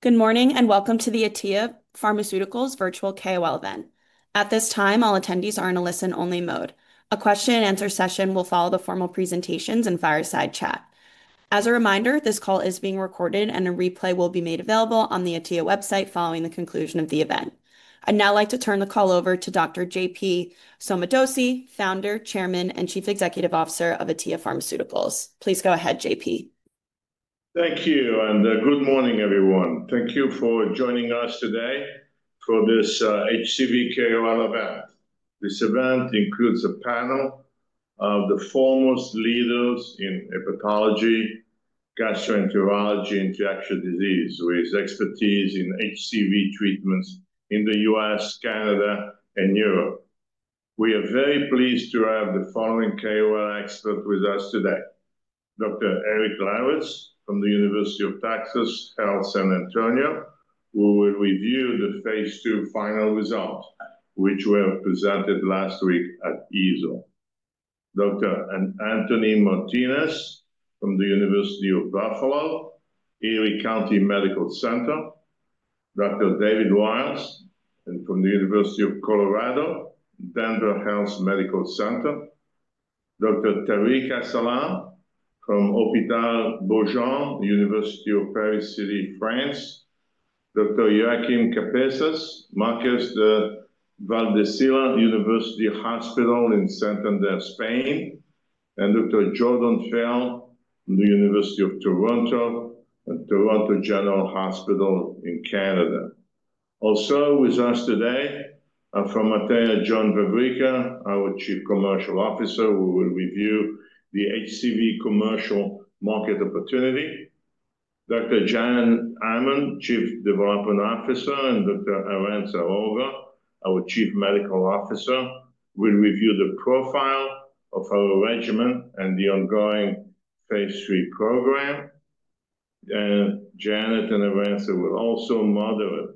Good morning and welcome to the Atea Pharmaceuticals Virtual KOL Event. At this time, all attendees are in a listen-only mode. A question-and-answer session will follow the formal presentations and fireside chat. As a reminder, this call is being recorded, and a replay will be made available on the Atea website following the conclusion of the event. I'd now like to turn the call over to Dr. J. P. Sommadossi, Founder, Chairman, and Chief Executive Officer of Atea Pharmaceuticals. Please go ahead, J. P. Thank you, and good morning, everyone. Thank you for joining us today for this HCV KOL Event. This event includes a panel of the foremost leaders in hepatology, gastroenterology, and infectious disease, with expertise in HCV treatments in the U.S., Canada, and Europe. We are very pleased to have the following KOL expert with us today: Dr. Eric Lawitz from the University of Texas Health San Antonio, who will review the phase II final result, which we have presented last week at EASL. Dr. Tony Martinez from the University of Buffalo, Erie County Medical Center; Dr. David Wyles from the University of Colorado, Denver Health Medical Center; Dr. Tarik Asselah from Hôpital Beaujon, University of Paris, France; Dr. Joaquin Cabezas, Marqués de Valdecilla University Hospital in Santander, Spain; and Dr. Jordan Feld from the University of Toronto and Toronto General Hospital in Canada. Also, with us today, from Atea, John Vavricka, our Chief Commercial Officer, who will review the HCV commercial market opportunity, Dr. Janet Hammond, Chief Development Officer, and Dr. Arantxa Horga, our Chief Medical Officer, who will review the profile of our regimen and the ongoing phase III program. Janet and Arantxa will also moderate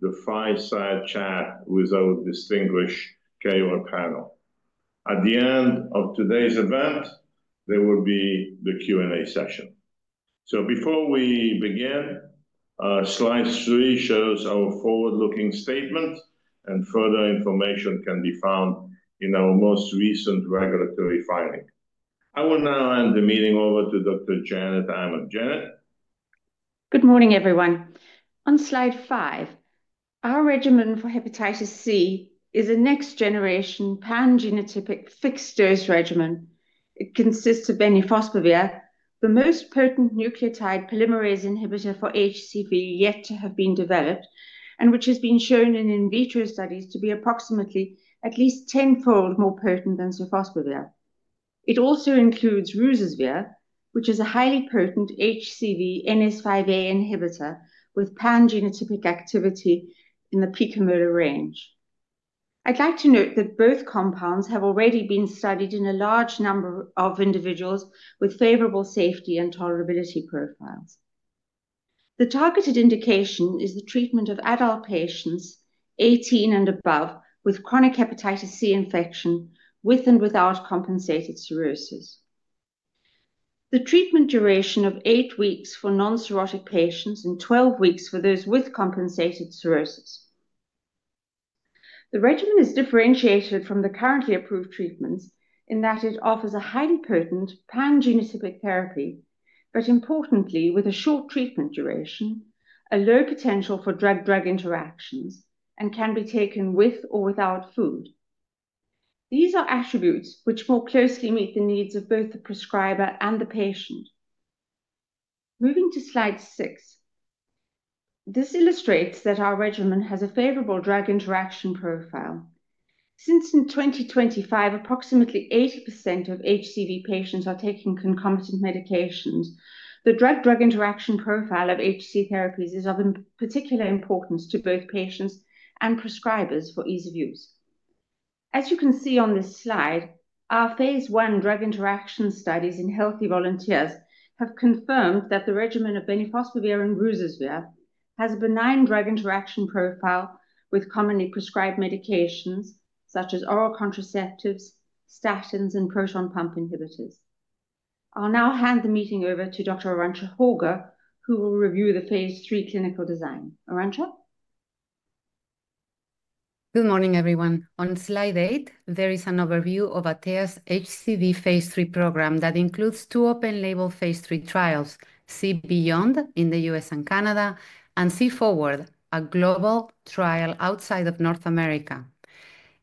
the fireside chat with our distinguished KOL panel. At the end of today's event, there will be the Q&A session. Before we begin, Slide three shows our forward-looking statement, and further information can be found in our most recent regulatory filing. I will now hand the meeting over to Dr. Janet Hammond. Janet. Good morning, everyone. On Slide five, our regimen for Hepatitis C is a next-generation pan-genotypic fixed-dose regimen. It consists of bemnifosbuvir, the most potent nucleotide polymerase inhibitor for HCV yet to have been developed, and which has been shown in in vitro studies to be approximately at least tenfold more potent than sofosbuvir. It also includes ruzasvir, which is a highly potent HCV NS5A inhibitor with pan-genotypic activity in the picomolar range. I'd like to note that both compounds have already been studied in a large number of individuals with favorable safety and tolerability profiles. The targeted indication is the treatment of adult patients 18 and above with chronic Hepatitis C infection with and without compensated cirrhosis. The treatment duration is eight weeks for non-cirrhotic patients and 12 weeks for those with compensated cirrhosis. The regimen is differentiated from the currently approved treatments in that it offers a highly potent pan-genotypic therapy, but importantly, with a short treatment duration, a low potential for drug-drug interactions, and can be taken with or without food. These are attributes which more closely meet the needs of both the prescriber and the patient. Moving to Slide six, this illustrates that our regimen has a favorable drug interaction profile. Since in 2025, approximately 80% of HCV patients are taking concomitant medications, the drug-drug interaction profile of HCV therapies is of particular importance to both patients and prescribers for ease of use. As you can see on this slide, our phase I drug interaction studies in healthy volunteers have confirmed that the regimen of bemnifosbuvir and ruzasvir has a benign drug interaction profile with commonly prescribed medications such as oral contraceptives, statins, and proton pump inhibitors. I'll now hand the meeting over to Dr. Arantxa Horga, who will review the phase III clinical design. Arantxa? Good morning, everyone. On Slide eight, there is an overview of Atea's HCV phase III program that includes two open-label phase III trials, C-Beyond in the U.S. and Canada, and C-Forward, a global trial outside of North America.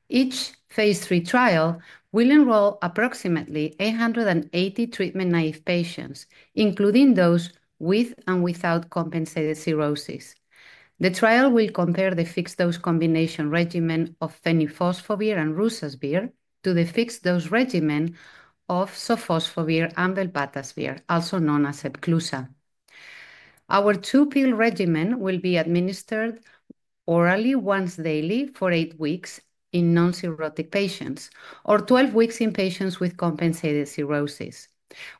Each phase III trial will enroll approximately 880 treatment naive patients, including those with and without compensated cirrhosis. The trial will compare the fixed-dose combination regimen of bemnifosbuvir and ruzasvir to the fixed-dose regimen of sofosbuvir and velpatasvir, also known as Epclusa. Our two-pill regimen will be administered orally once daily for eight weeks in non-cirrhotic patients, or 12 weeks in patients with compensated cirrhosis,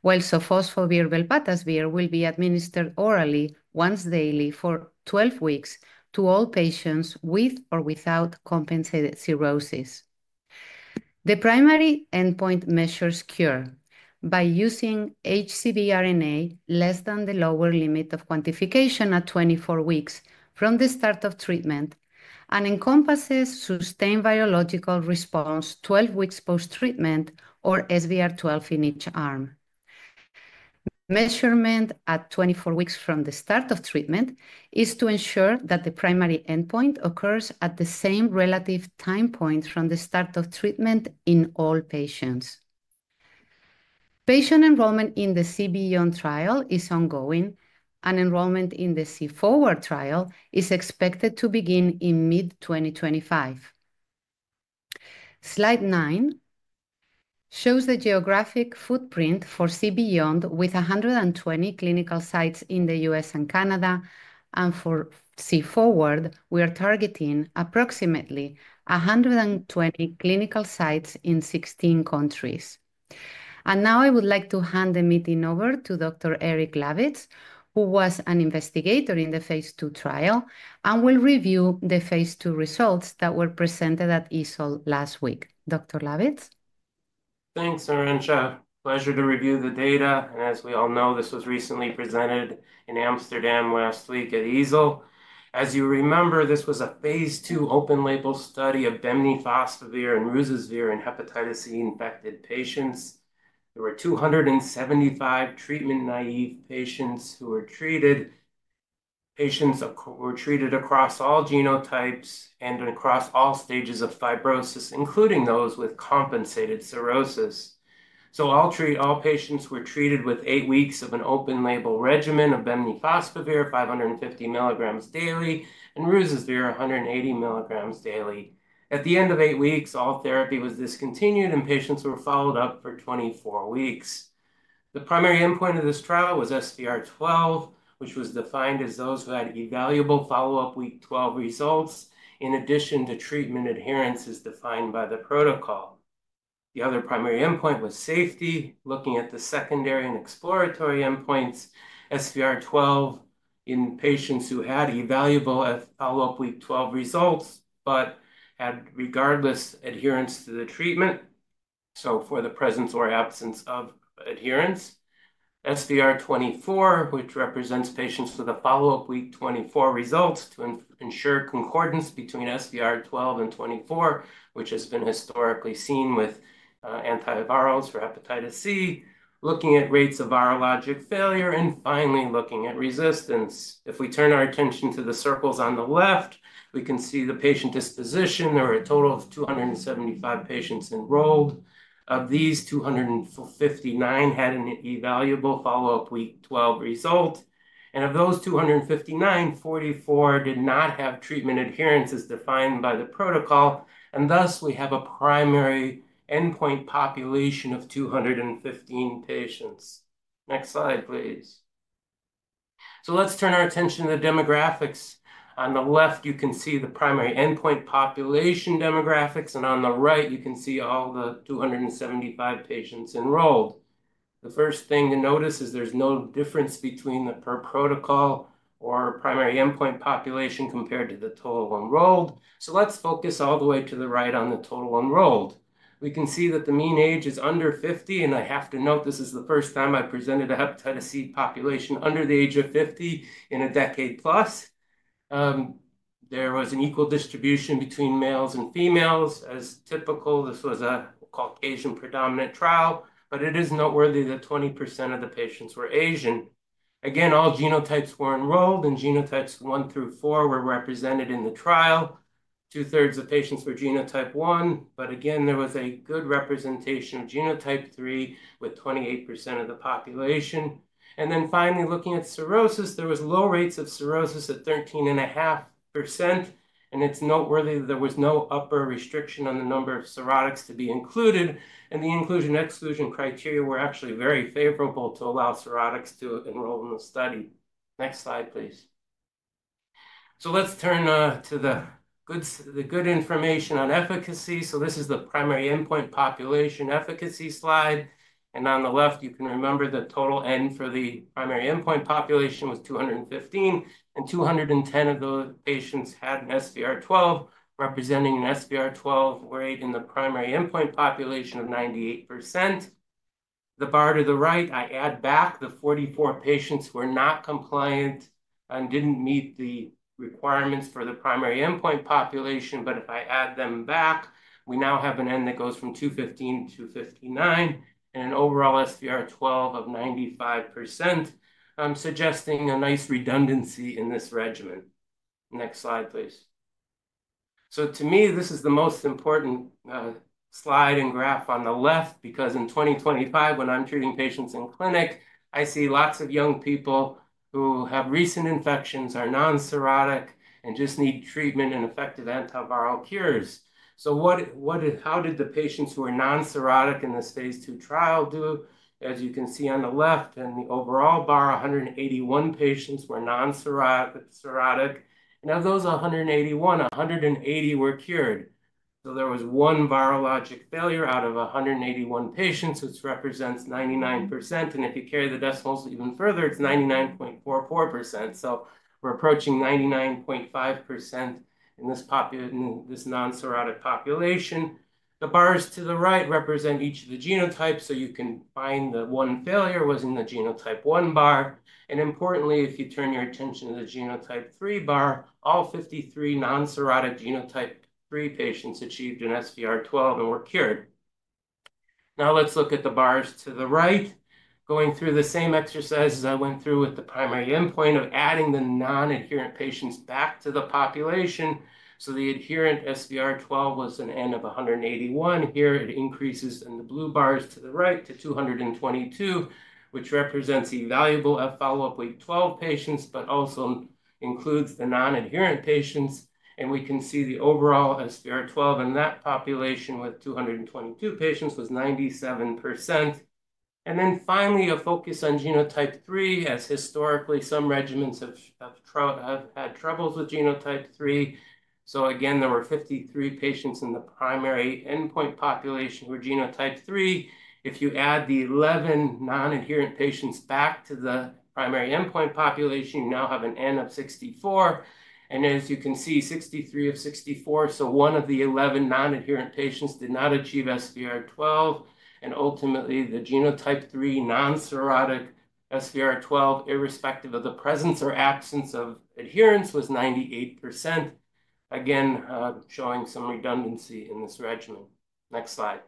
while sofosbuvir and velpatasvir will be administered orally once daily for 12 weeks to all patients with or without compensated cirrhosis. The primary endpoint measures cure by using HCV RNA less than the lower limit of quantification at 24 weeks from the start of treatment and encompasses sustained virological response 12 weeks post-treatment, or SVR12 in each arm. Measurement at 24 weeks from the start of treatment is to ensure that the primary endpoint occurs at the same relative time point from the start of treatment in all patients. Patient enrollment in the C-Beyond trial is ongoing, and enrollment in the C-Forward trial is expected to begin in mid-2025. Slide nine shows the geographic footprint for C-Beyond with 120 clinical sites in the U.S. and Canada, and for C-Forward, we are targeting approximately 120 clinical sites in 16 countries. I would like to hand the meeting over to Dr. Eric Lawitz, who was an investigator in the phase II trial and will review the phase II results that were presented at EASL last week. Dr. Lawitz? Thanks, Arantxa. Pleasure to review the data. As we all know, this was recently presented in Amsterdam last week at EASL. As you remember, this was a phase II open-label study of bemnifosbuvir and ruzasvir in hepatitis C infected patients. There were 275 treatment-naive patients who were treated. Patients were treated across all genotypes and across all stages of fibrosis, including those with compensated cirrhosis. All patients were treated with eight weeks of an open-label regimen of bemnifosbuvir 550 mg daily and ruzasvir 180 mg daily. At the end of eight weeks, all therapy was discontinued, and patients were followed up for 24 weeks. The primary endpoint of this trial was SVR12, which was defined as those who had evaluable follow-up week 12 results in addition to treatment adherence as defined by the protocol. The other primary endpoint was safety, looking at the secondary and exploratory endpoints. SVR12 in patients who had evaluable follow-up week 12 results but had regardless adherence to the treatment, so for the presence or absence of adherence. SVR24, which represents patients with a follow-up week 24 results to ensure concordance between SVR12 and 24, which has been historically seen with antivirals for hepatitis C, looking at rates of virologic failure, and finally looking at resistance. If we turn our attention to the circles on the left, we can see the patient disposition. There were a total of 275 patients enrolled. Of these, 259 had an evaluable follow-up week 12 result. Of those 259, 44 did not have treatment adherence as defined by the protocol. Thus, we have a primary endpoint population of 215 patients. Next slide, please. Let's turn our attention to the demographics. On the left, you can see the primary endpoint population demographics, and on the right, you can see all the 275 patients enrolled. The first thing to notice is there's no difference between the per protocol or primary endpoint population compared to the total enrolled. Let's focus all the way to the right on the total enrolled. We can see that the mean age is under 50. I have to note this is the first time I presented a hepatitis C population under the age of 50 in a decade plus. There was an equal distribution between males and females, as typical. This was a Caucasian predominant trial, but it is noteworthy that 20% of the patients were Asian. Again, all genotypes were enrolled, and genotypes one through four were represented in the trial. Two-thirds of patients were genotype 1, but again, there was a good representation of genotype three with 28% of the population. Finally, looking at cirrhosis, there were low rates of cirrhosis at 13.5%. It is noteworthy that there was no upper restriction on the number of cirrhotics to be included, and the inclusion-exclusion criteria were actually very favorable to allow cirrhotics to enroll in the study. Next slide, please. Let's turn to the good information on efficacy. This is the primary endpoint population efficacy slide. On the left, you can remember the total end for the primary endpoint population was 215, and 210 of the patients had an SVR12, representing an SVR12 rate in the primary endpoint population of 98%. The bar to the right, I add back the 44 patients who were not compliant and did not meet the requirements for the primary endpoint population. If I add them back, we now have an end that goes from 215 to 259 and an overall SVR12 of 95%, suggesting a nice redundancy in this regimen. Next slide, please. To me, this is the most important slide and graph on the left because in 2025, when I'm treating patients in clinic, I see lots of young people who have recent infections, are non-cirrhotic, and just need treatment and effective antiviral cures. How did the patients who were non-cirrhotic in this phase II trial do? As you can see on the left, in the overall bar, 181 patients were non-cirrhotic. Of those 181, 180 were cured. There was one virologic failure out of 181 patients, which represents 99%. If you carry the decimals even further, it is 99.44%. We are approaching 99.5% in this non-cirrhotic population. The bars to the right represent each of the genotypes, so you can find the one failure was in the genotype 1 bar. Importantly, if you turn your attention to the genotype three bar, all 53 non-cirrhotic genotype three patients achieved an SVR12 and were cured. Now let's look at the bars to the right. Going through the same exercise as I went through with the primary endpoint of adding the non-adherent patients back to the population, the adherent SVR12 was an n of 181. Here, it increases in the blue bars to the right to 222, which represents evaluable follow-up week 12 patients, but also includes the non-adherent patients. We can see the overall SVR12 in that population with 222 patients was 97%. Finally, a focus on genotype three, as historically some regimens have had troubles with genotype three. Again, there were 53 patients in the primary endpoint population who were genotype three. If you add the 11 non-adherent patients back to the primary endpoint population, you now have an n of 64. As you can see, 63 of 64, so one of the 11 non-adherent patients did not achieve SVR12. Ultimately, the genotype three non-cirrhotic SVR12, irrespective of the presence or absence of adherence, was 98%, again showing some redundancy in this regimen. Next slide.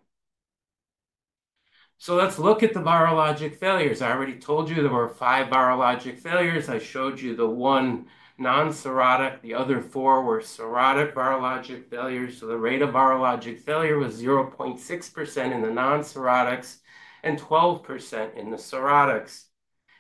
Let's look at the virologic failures. I already told you there were five virologic failures. I showed you the one non-cirrhotic. The other four were cirrhotic virologic failures. The rate of virologic failure was 0.6% in the non-cirrhotics and 12% in the cirrhotics.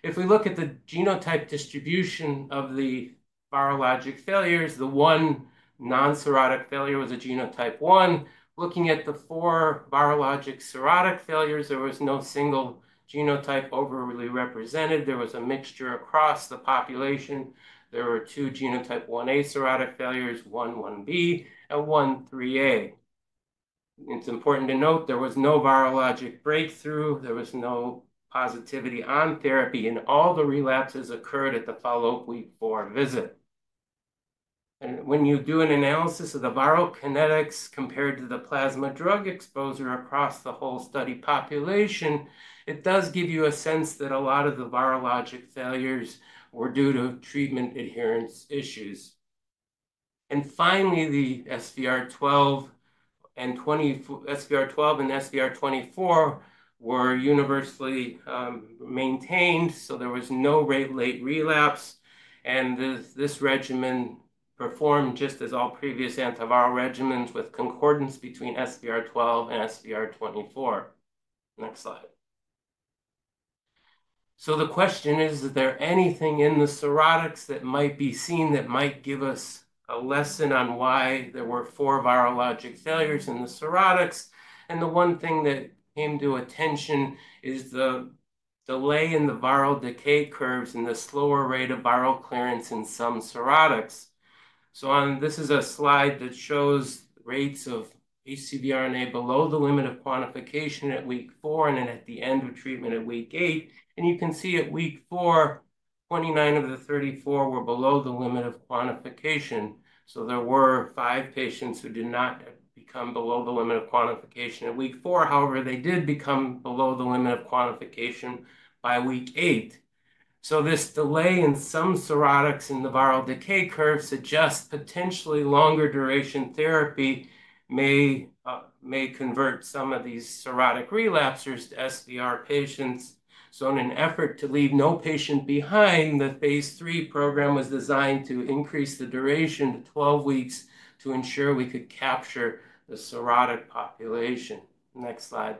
If we look at the genotype distribution of the virologic failures, the one non-cirrhotic failure was a genotype 1. Looking at the four virologic cirrhotic failures, there was no single genotype overly represented. There was a mixture across the population. There were genotype 1a cirrhotic failures, 1 1b, and 1 3a. It's important to note there was no virologic breakthrough. There was no positivity on therapy, and all the relapses occurred at the follow-up week four visit. When you do an analysis of the viral kinetics compared to the plasma drug exposure across the whole study population, it does give you a sense that a lot of the virologic failures were due to treatment adherence issues. SVR12 and SVR24 were universally maintained, so there was no rate-late relapse. This regimen performed just as all previous antiviral regimens with concordance between SVR12 and SVR24. Next slide. The question is, is there anything in the cirrhotics that might be seen that might give us a lesson on why there were four virologic failures in the cirrhotics? The one thing that came to attention is the delay in the viral decay curves and the slower rate of viral clearance in some cirrhotics. This is a slide that shows rates of HCV RNA below the limit of quantification at week four and then at the end of treatment at week eight. You can see at week four, 29 of the 34 were below the limit of quantification. There were five patients who did not become below the limit of quantification at week four. However, they did become below the limit of quantification by week eight. This delay in some cirrhotics in the viral decay curve suggests potentially longer duration therapy may convert some of these cirrhotic relapsers to SVR patients. In an effort to leave no patient behind, the phase III program was designed to increase the duration to 12 weeks to ensure we could capture the cirrhotic population. Next slide.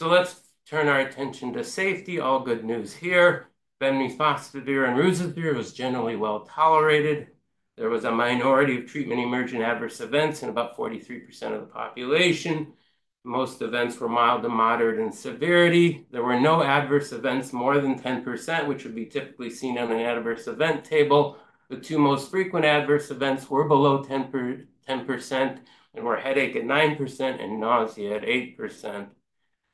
Let's turn our attention to safety. All good news here. Bemnifosbuvir and ruzasvir was generally well tolerated. There was a minority of treatment emergent adverse events in about 43% of the population. Most events were mild to moderate in severity. There were no adverse events more than 10%, which would be typically seen on an adverse event table. The two most frequent adverse events were below 10%, and were headache at 9% and nausea at 8%.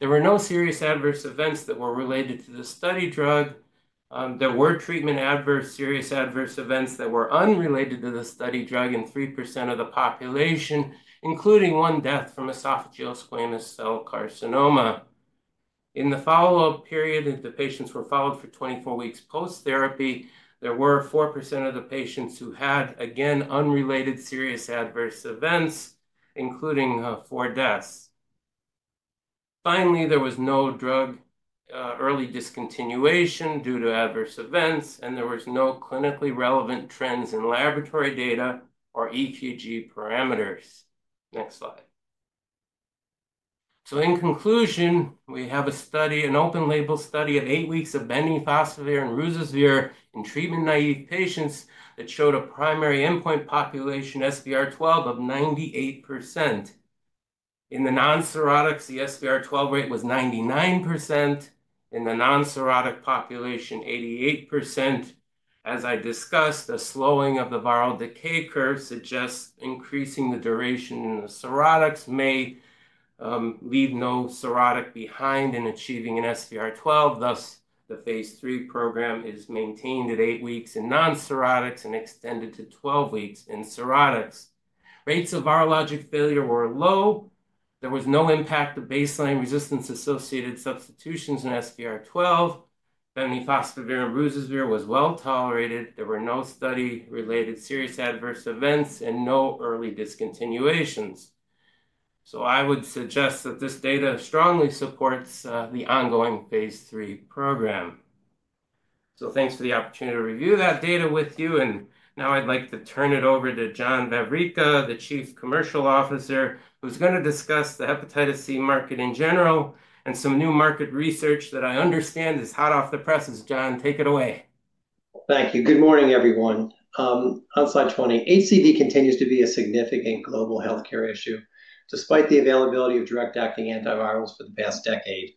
There were no serious adverse events that were related to the study drug. There were treatment adverse serious adverse events that were unrelated to the study drug in 3% of the population, including one death from esophageal squamous cell carcinoma. In the follow-up period, the patients were followed for 24 weeks post-therapy. There were 4% of the patients who had, again, unrelated serious adverse events, including four deaths. Finally, there was no drug early discontinuation due to adverse events, and there were no clinically relevant trends in laboratory data or EKG parameters. Next slide. In conclusion, we have an open-label study of eight weeks of bemnifosbuvir and ruzasvir in treatment naive patients that showed a primary endpoint population SVR12 of 98%. In the non-cirrhotics, the SVR12 rate was 99%. In the cirrhotic population, 88%. As I discussed, the slowing of the viral decay curve suggests increasing the duration in the cirrhotics may leave no cirrhotic behind in achieving an SVR12. Thus, the phase III program is maintained at eight weeks in non-cirrhotics and extended to 12 weeks in cirrhotics. Rates of virologic failure were low. There was no impact of baseline resistance-associated substitutions in SVR12. Bemnifosbuvir and ruzasvir was well tolerated. There were no study-related serious adverse events and no early discontinuations. I would suggest that this data strongly supports the ongoing phase III program. Thanks for the opportunity to review that data with you. Now I'd like to turn it over to John Vavricka, the Chief Commercial Officer, who's going to discuss the hepatitis C market in general and some new market research that I understand is hot off the press. John, take it away. Thank you. Good morning, everyone. On slide 20, HCV continues to be a significant global healthcare issue despite the availability of direct-acting antivirals for the past decade.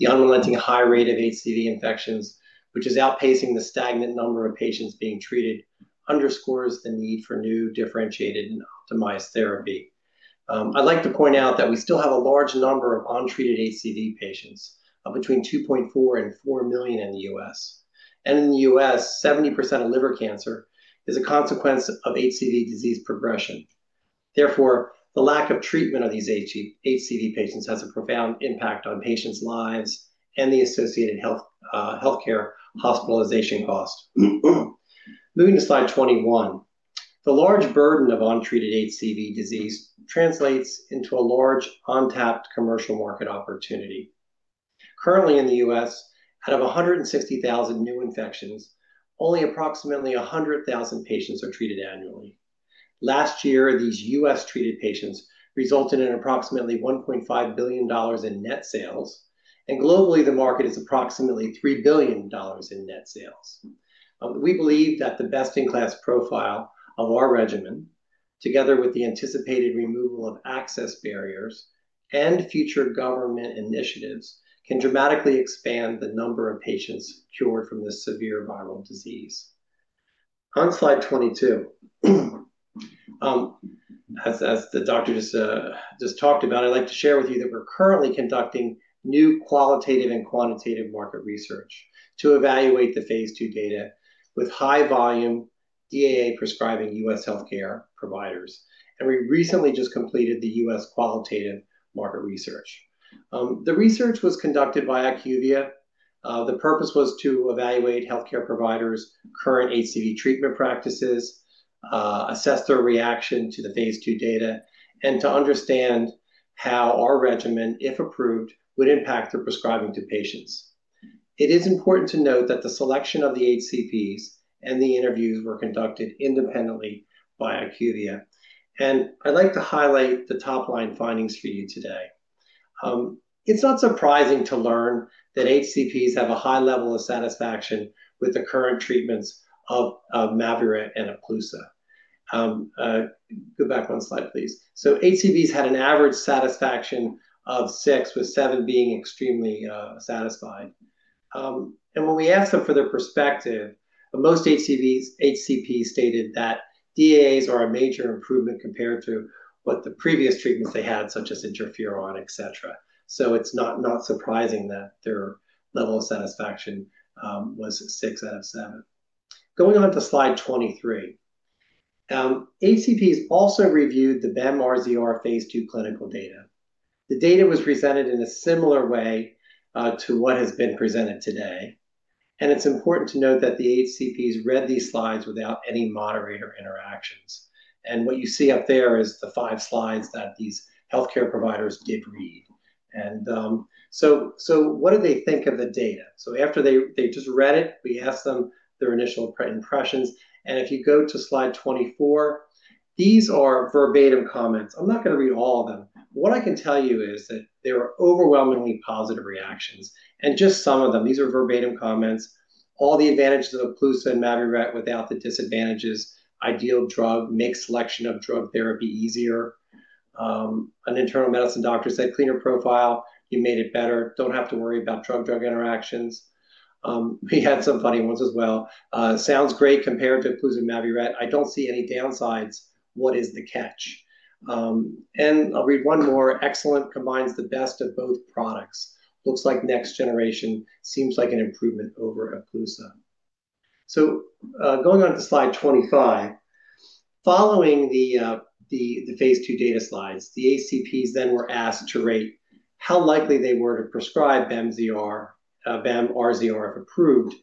The unrelenting high rate of HCV infections, which is outpacing the stagnant number of patients being treated, underscores the need for new differentiated and optimized therapy. I'd like to point out that we still have a large number of untreated HCV patients, between 2.4 and 4 million in the U.S. In the U.S., 70% of liver cancer is a consequence of HCV disease progression. Therefore, the lack of treatment of these HCV patients has a profound impact on patients' lives and the associated healthcare hospitalization cost. Moving to slide 21, the large burden of untreated HCV disease translates into a large untapped commercial market opportunity. Currently, in the U.S., out of 160,000 new infections, only approximately 100,000 patients are treated annually. Last year, these U.S.-treated patients resulted in approximately $1.5 billion in net sales. Globally, the market is approximately $3 billion in net sales. We believe that the best-in-class profile of our regimen, together with the anticipated removal of access barriers and future government initiatives, can dramatically expand the number of patients cured from this severe viral disease. On slide 22, as the doctor just talked about, I'd like to share with you that we're currently conducting new qualitative and quantitative market research to evaluate the phase II data with high-volume DAA prescribing US healthcare providers. We recently just completed the US qualitative market research. The research was conducted by Acuvia. The purpose was to evaluate healthcare providers' current HCV treatment practices, assess their reaction to the phase II data, and to understand how our regimen, if approved, would impact their prescribing to patients. It is important to note that the selection of the HCPs and the interviews were conducted independently by Acuvia. I'd like to highlight the top-line findings for you today. It's not surprising to learn that HCPs have a high level of satisfaction with the current treatments of Mavyret and Epclusa. Go back one slide, please. HCPs had an average satisfaction of six, with seven being extremely satisfied. When we asked them for their perspective, most HCPs stated that DAAs are a major improvement compared to what the previous treatments they had, such as Interferon, etc. It's not surprising that their level of satisfaction was six out of seven. Going on to slide 23, HCPs also reviewed the BEM-RZR phase II clinical data. The data was presented in a similar way to what has been presented today. It's important to note that the HCPs read these slides without any moderator interactions. What you see up there is the five slides that these healthcare providers did read. What did they think of the data? After they just read it, we asked them their initial impressions. If you go to slide 24, these are verbatim comments. I'm not going to read all of them. What I can tell you is that there are overwhelmingly positive reactions. Just some of them. These are verbatim comments. All the advantages of Epclusa and Mavyret without the disadvantages. Ideal drug. Makes selection of drug therapy easier. An internal medicine doctor said, "Cleaner profile. You made it better. Don't have to worry about drug-drug interactions." We had some funny ones as well. Sounds great compared to Epclusa and Mavyret. I don't see any downsides. What is the catch? I'll read one more. Excellent combines the best of both products. Looks like next generation. Seems like an improvement over Epclusa. Going on to slide 25, following the phase II data slides, the HCPs then were asked to rate how likely they were to prescribe BEM-RZR if approved.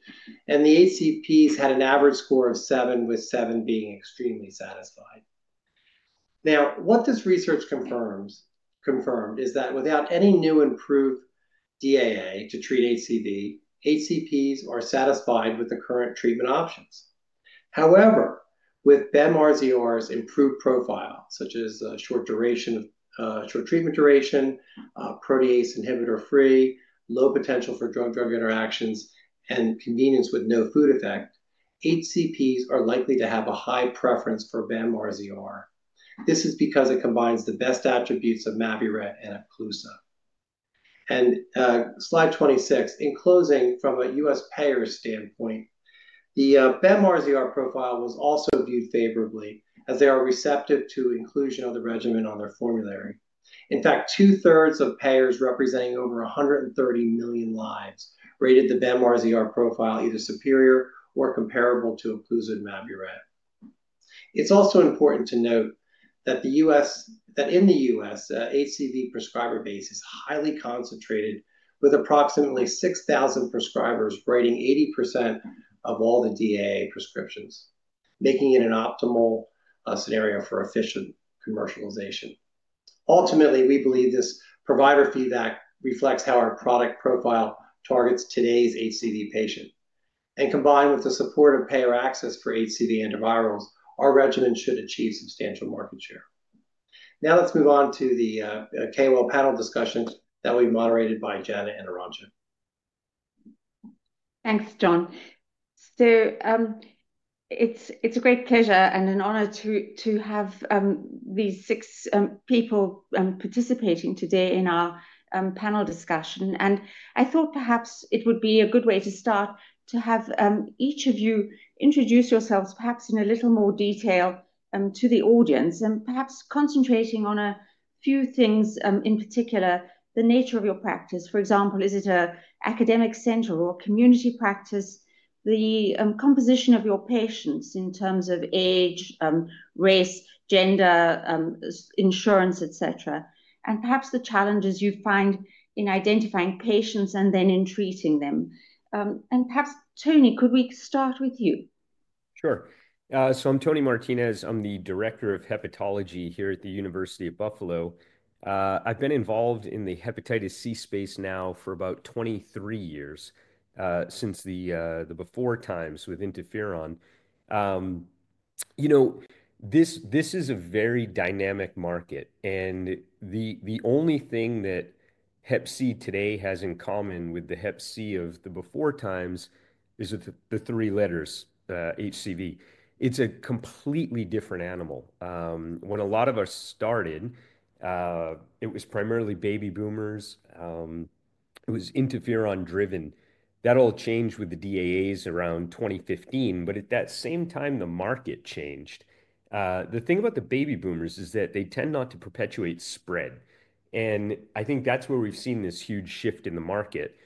The HCPs had an average score of seven, with seven being extremely satisfied. What this research confirmed is that without any new improved DAA to treat HCV, HCPs are satisfied with the current treatment options. However, with BEM-RZR's improved profile, such as short treatment duration, protease inhibitor-free, low potential for drug-drug interactions, and convenience with no food effect, HCPs are likely to have a high preference for BEM-RZR. This is because it combines the best attributes of Mavyret and Epclusa. On slide 26, in closing, from a US payer standpoint, the BEM-RZR profile was also viewed favorably as they are receptive to inclusion of the regimen on their formulary. In fact, two-thirds of payers representing over 130 millives rated the BEM-RZR profile either superior or comparable to Epclusa and Mavyret. It's also important to note that in the U.S., HCV prescriber base is highly concentrated, with approximately 6,000 prescribers writing 80% of all the DAA prescriptions, making it an optimal scenario for efficient commercialization. Ultimately, we believe this provider feedback reflects how our product profile targets today's HCV patient. Combined with the support of payer access for HCV antivirals, our regimen should achieve substantial market share. Now let's move on to the K1 panel discussion that will be moderated by Janet and Arantxa. Thanks, John. It's a great pleasure and an honor to have these six people participating today in our panel discussion. I thought perhaps it would be a good way to start to have each of you introduce yourselves perhaps in a little more detail to the audience and perhaps concentrating on a few things in particular, the nature of your practice. For example, is it an academic center or community practice? The composition of your patients in terms of age, race, gender, insurance, etc., and perhaps the challenges you find in identifying patients and then in treating them. Perhaps, Tony, could we start with you? Sure. I'm Tony Martinez. I'm the Director of Hepatology here at the University of Buffalo. I've been involved in the hepatitis C space now for about 23 years since the before times with Interferon. This is a very dynamic market. The only thing that Hep C today has in common with the Hep C of the before times is the three letters, HCV. It's a completely different animal. When a lot of us started, it was primarily baby boomers. It was Interferon-driven. That all changed with the DAAs around 2015. At that same time, the market changed. The thing about the baby boomers is that they tend not to perpetuate spread. I think that's where we've seen this huge shift in the market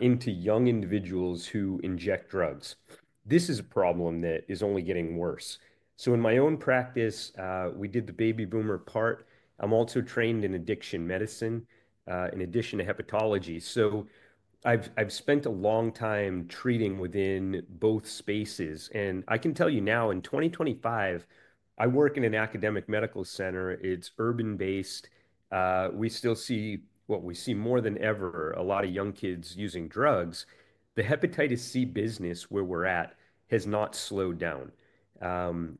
into young individuals who inject drugs. This is a problem that is only getting worse. In my own practice, we did the baby boomer part. I'm also trained in addiction medicine in addition to hepatology. I've spent a long time treating within both spaces. I can tell you now, in 2025, I work in an academic medical center. It's urban-based. We still see what we see more than ever, a lot of young kids using drugs. The hepatitis C business where we're at has not slowed down.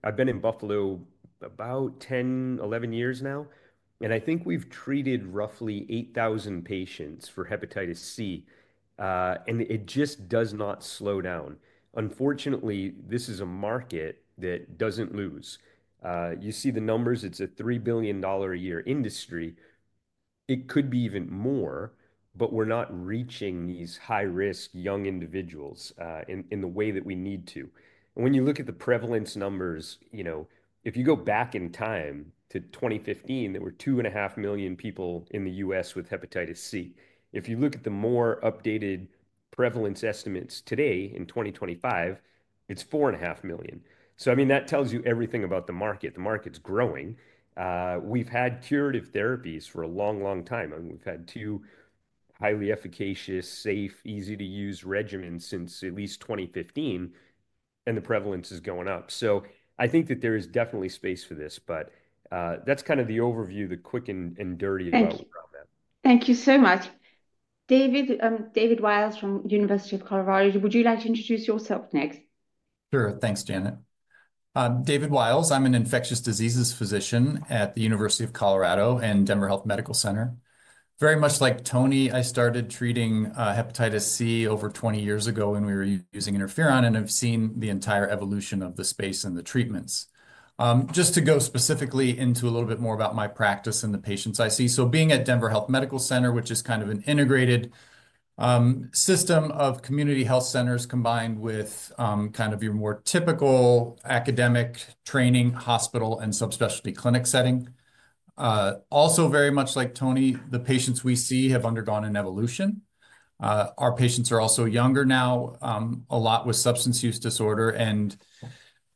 I've been in Buffalo about 10, 11 years now. I think we've treated roughly 8,000 patients for hepatitis C. It just does not slow down. Unfortunately, this is a market that doesn't lose. You see the numbers. It's a $3 billion a year industry. It could be even more, but we're not reaching these high-risk young individuals in the way that we need to. When you look at the prevalence numbers, if you go back in time to 2015, there were two and a half million people in the U.S. with hepatitis C. If you look at the more updated prevalence estimates today in 2025, it's four and a half million. I mean, that tells you everything about the market. The market's growing. We've had curative therapies for a long, long time. We've had two highly efficacious, safe, easy-to-use regimens since at least 2015. The prevalence is going up. I think that there is definitely space for this. That's kind of the overview, the quick and dirty about the program. Thank you so much. David Wyles, from the University of Colorado, would you like to introduce yourself next? Sure. Thanks, Janet. David Wyles, I'm an infectious diseases physician at the University of Colorado and Denver Health Medical Center. Very much like Tony, I started treating hepatitis C over 20 years ago when we were using Interferon and have seen the entire evolution of the space and the treatments. Just to go specifically into a little bit more about my practice and the patients I see. Being at Denver Health Medical Center, which is kind of an integrated system of community health centers combined with your more typical academic training hospital and subspecialty clinic setting. Also very much like Tony, the patients we see have undergone an evolution. Our patients are also younger now, a lot with substance use disorder.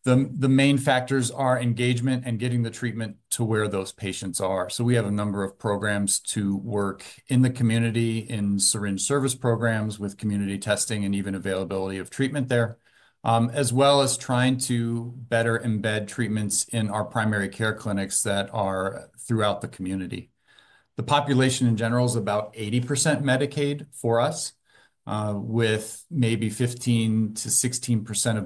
The main factors are engagement and getting the treatment to where those patients are. We have a number of programs to work in the community in syringe service programs with community testing and even availability of treatment there, as well as trying to better embed treatments in our primary care clinics that are throughout the community. The population in general is about 80% Medicaid for us, with maybe 15-16%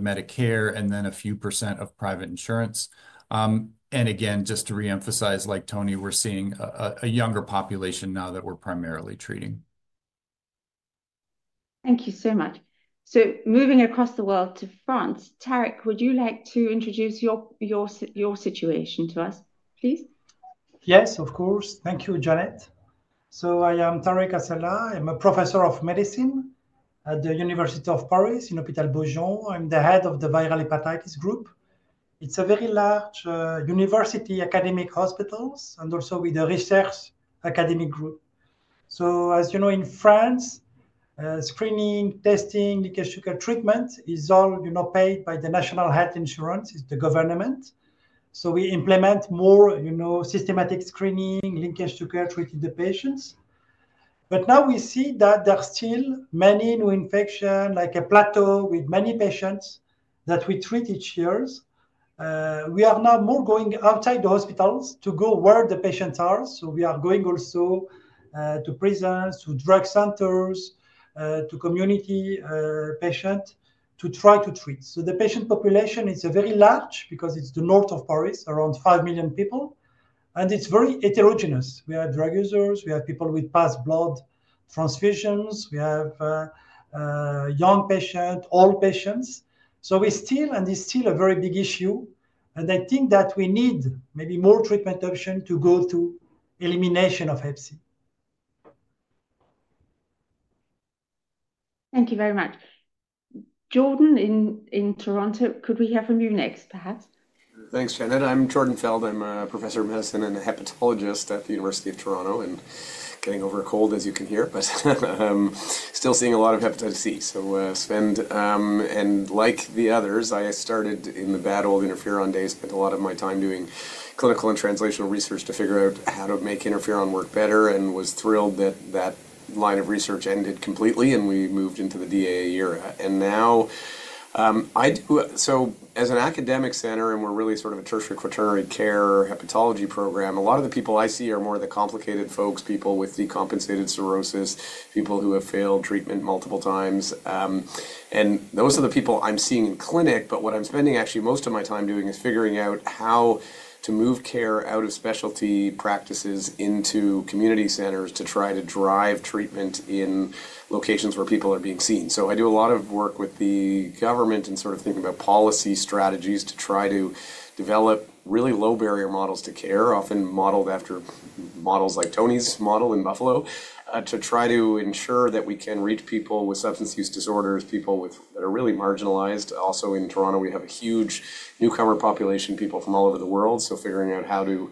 Medicare and then a few percent of private insurance. Again, just to reemphasize, like Tony, we're seeing a younger population now that we're primarily treating. Thank you so much. Moving across the world to France, Tarik, would you like to introduce your situation to us, please? Yes, of course. Thank you, Janet. I am Tarik Asselah. I'm a professor of medicine at the University of Paris in Hôpital Beaujon. I'm the head of the viral hepatitis group. It's a very large university, academic hospitals, and also with a research academic group. As you know, in France, screening, testing, linkage to care, treatment is all paid by the National Health Insurance, the government. We implement more systematic screening, linkage to care, treating the patients. Now we see that there are still many new infections, like a plateau with many patients that we treat each year. We are now more going outside the hospitals to go where the patients are. We are going also to prisons, to drug centers, to community patients to try to treat. The patient population is very large because it's the north of Paris, around 5 million people. It is very heterogeneous. We have drug users. We have people with past blood transfusions. We have young patients, old patients. It is still a very big issue. I think that we need maybe more treatment options to go to elimination of Hep C. Thank you very much. Jordan in Toronto, could we hear from you next, perhaps? Thanks, Janet. I'm Jordan Feld. I'm a professor of medicine and a hepatologist at the University of Toronto and getting over a cold, as you can hear, but still seeing a lot of hepatitis C. I spend, and like the others, I started in the bad old Interferon days, spent a lot of my time doing clinical and translational research to figure out how to make Interferon work better and was thrilled that that line of research ended completely and we moved into the DAA era. Now, as an academic center, and we're really sort of a tertiary quaternary care hepatology program, a lot of the people I see are more of the complicated folks, people with decompensated cirrhosis, people who have failed treatment multiple times. Those are the people I'm seeing in clinic, but what I'm spending actually most of my time doing is figuring out how to move care out of specialty practices into community centers to try to drive treatment in locations where people are being seen. I do a lot of work with the government and sort of thinking about policy strategies to try to develop really low-barrier models to care, often modeled after models like Tony's model in Buffalo, to try to ensure that we can reach people with substance use disorders, people that are really marginalized. Also in Toronto, we have a huge newcomer population, people from all over the world. Figuring out how to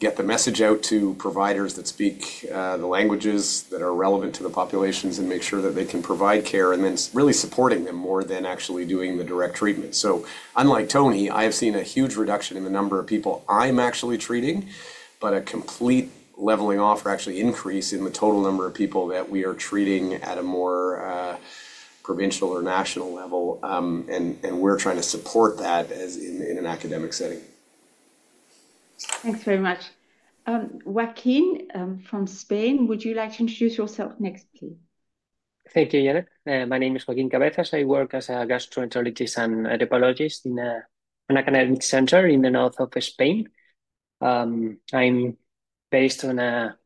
get the message out to providers that speak the languages that are relevant to the populations and make sure that they can provide care and then really supporting them more than actually doing the direct treatment. Unlike Tony, I have seen a huge reduction in the number of people I'm actually treating, but a complete leveling off or actually increase in the total number of people that we are treating at a more provincial or national level. We are trying to support that in an academic setting. Thanks very much. Joaquin from Spain, would you like to introduce yourself next, please? Thank you, Janet. My name is Joaquin Cabezas. I work as a gastroenterologist and hepatologist in an academic center in the north of Spain. I'm based in a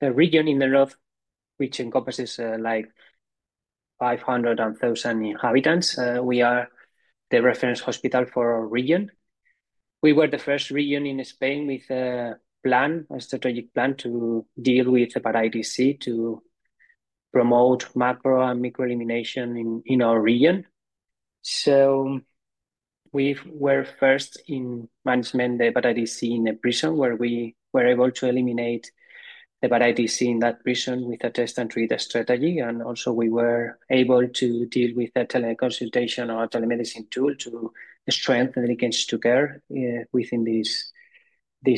region in the north which encompasses like 500,000 inhabitants. We are the reference hospital for our region. We were the first region in Spain with a plan, a strategic plan to deal with hepatitis C, to promote macro and micro elimination in our region. We were first in management, the hepatitis C in a prison where we were able to eliminate the hepatitis C in that prison with a test and treat strategy. We were also able to deal with a teleconsultation or telemedicine tool to strengthen the linkage to care within this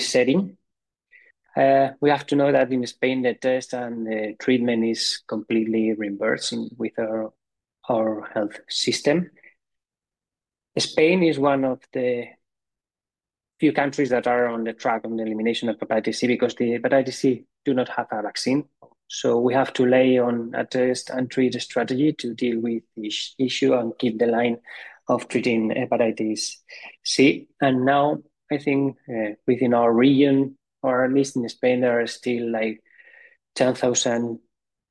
setting. We have to know that in Spain, the test and the treatment is completely reimbursed with our health system. Spain is one of the few countries that are on the track of the elimination of hepatitis C because hepatitis C does not have a vaccine. We have to rely on a test and treat strategy to deal with this issue and keep the line of treating hepatitis C. I think within our region, or at least in Spain, there are still like 10,000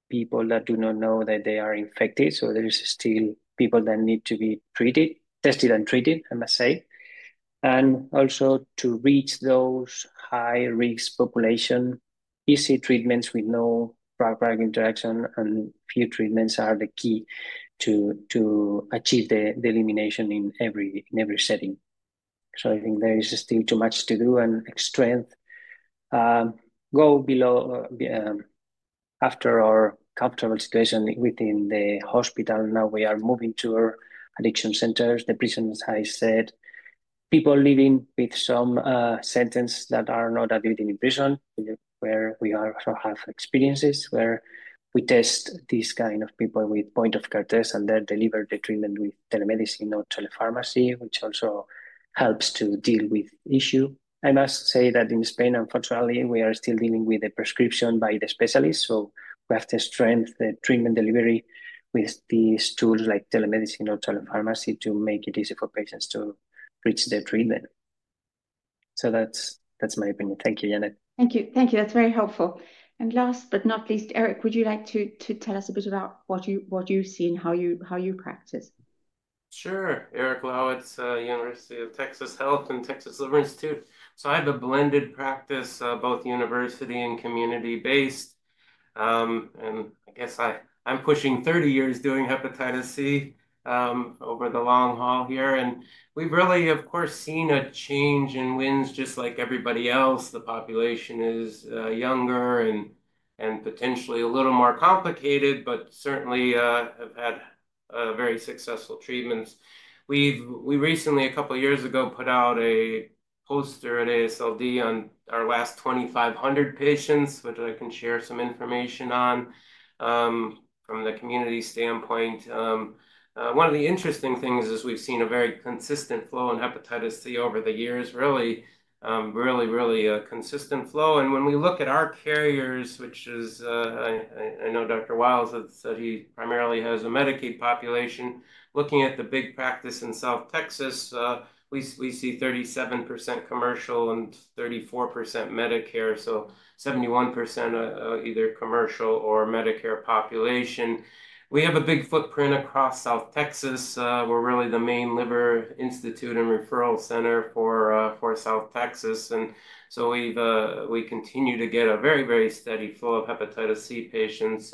people that do not know that they are infected. There are still people that need to be tested and treated, I must say. Also, to reach those high-risk populations, easy treatments with no drug-drug interaction and few treatments are the key to achieve the elimination in every setting. I think there is still too much to do and strength goes below after our comfortable situation within the hospital. Now we are moving to our addiction centers, the prisons, as I said, people living with some sentences that are not admitted in prison, where we also have experiences where we test these kinds of people with point-of-care tests and then deliver the treatment with telemedicine or telepharmacy, which also helps to deal with the issue. I must say that in Spain, unfortunately, we are still dealing with the prescription by the specialist. We have to strengthen the treatment delivery with these tools like telemedicine or telepharmacy to make it easy for patients to reach their treatment. That is my opinion. Thank you, Janet. Thank you. Thank you. That is very helpful. Last but not least, Eric, would you like to tell us a bit about what you see and how you practice? Sure. Eric Lawitz, University of Texas Health and Texas Liver Institute. I have a blended practice, both university and community-based. I guess I am pushing 30 years doing hepatitis C over the long haul here. We have really, of course, seen a change in winds just like everybody else. The population is younger and potentially a little more complicated, but certainly have had very successful treatments. We recently, a couple of years ago, put out a poster at ASLD on our last 2,500 patients, which I can share some information on from the community standpoint. One of the interesting things is we've seen a very consistent flow in hepatitis C over the years, really, really a consistent flow. When we look at our carriers, which is I know Dr. Wyles, he primarily has a Medicaid population. Looking at the big practice in South Texas, we see 37% commercial and 34% Medicare, so 71% either commercial or Medicare population. We have a big footprint across South Texas. We're really the main liver institute and referral center for South Texas. We continue to get a very, very steady flow of hepatitis C patients.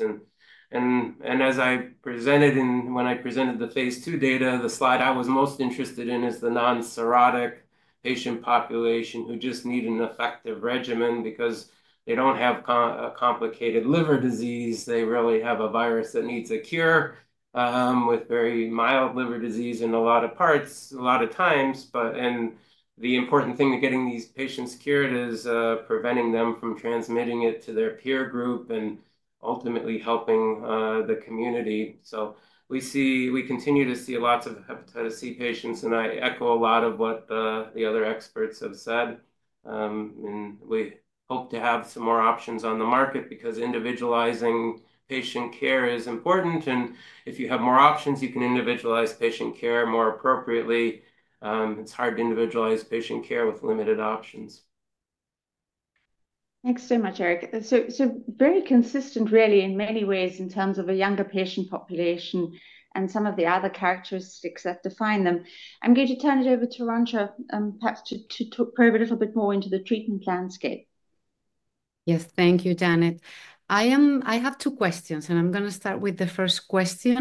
As I presented when I presented the phase two data, the slide I was most interested in is the non-cirrhotic patient population who just need an effective regimen because they do not have a complicated liver disease. They really have a virus that needs a cure with very mild liver disease in a lot of parts, a lot of times. The important thing to getting these patients cured is preventing them from transmitting it to their peer group and ultimately helping the community. We continue to see lots of hepatitis C patients. I echo a lot of what the other experts have said. We hope to have some more options on the market because individualizing patient care is important. If you have more options, you can individualize patient care more appropriately. It is hard to individualize patient care with limited options. Thanks so much, Eric. So very consistent, really, in many ways in terms of a younger patient population and some of the other characteristics that define them. I'm going to turn it over to Arantxa, perhaps to probe a little bit more into the treatment landscape. Yes, thank you, Janet. I have two questions, and I'm going to start with the first question,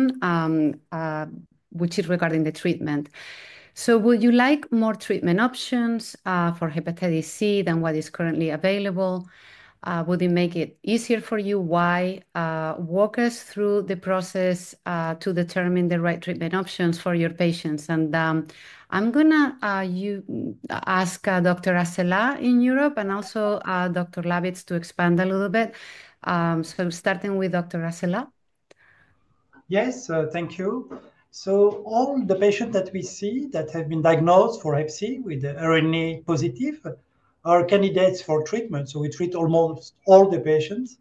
which is regarding the treatment. Would you like more treatment options for hepatitis C than what is currently available? Would it make it easier for you? Why walk us through the process to determine the right treatment options for your patients? I'm going to ask Dr. Asselah in Europe and also Dr. Lawitz to expand a little bit. Starting with Dr. Asselah. Yes, thank you. All the patients that we see that have been diagnosed for hep C with RNA positive are candidates for treatment. We treat almost all the patients.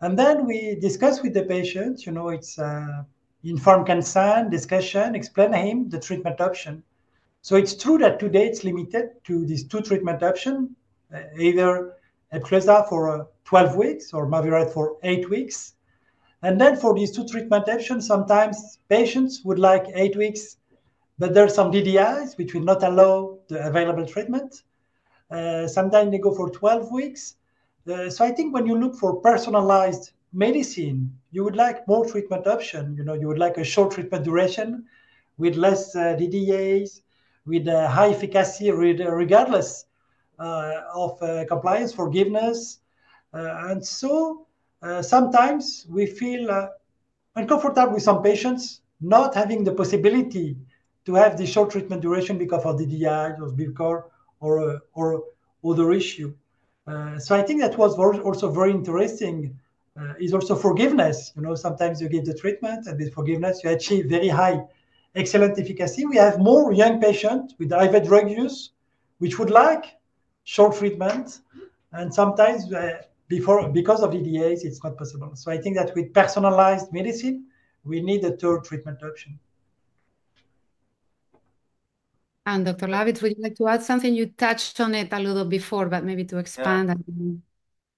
And then we discuss with the patient, you know, it's informed consent, discussion, explain to him the treatment option. It's true that today it's limited to these two treatment options, either Epclusa for 12 weeks or Mavyret for eight weeks. For these two treatment options, sometimes patients would like 8 weeks, but there are some DDIs which will not allow the available treatment. Sometimes they go for 12 weeks. I think when you look for personalized medicine, you would like more treatment options. You would like a short treatment duration with less DDIs, with high efficacy, regardless of compliance, forgiveness. Sometimes we feel uncomfortable with some patients not having the possibility to have the short treatment duration because of DDI or Bivcor or other issues. I think that was also very interesting is also forgiveness. You know, sometimes you give the treatment and with forgiveness, you achieve very high, excellent efficacy. We have more young patients with higher drug use, which would like short treatment. And sometimes because of DDIs, it's not possible. I think that with personalized medicine, we need a third treatment option. Dr. Lawitz, would you like to add something? You touched on it a little before, but maybe to expand.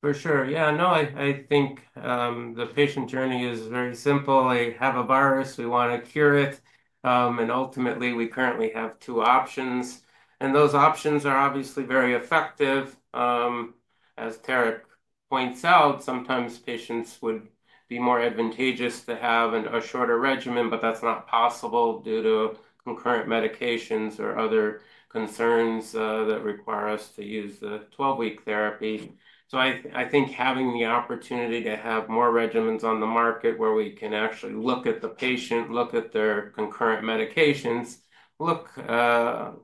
For sure. Yeah, no, I think the patient journey is very simple. They have a virus. We want to cure it. Ultimately, we currently have two options. Those options are obviously very effective. As Tarik points out, sometimes patients would be more advantageous to have a shorter regimen, but that's not possible due to concurrent medications or other concerns that require us to use the 12-week therapy. I think having the opportunity to have more regimens on the market where we can actually look at the patient, look at their concurrent medications, look at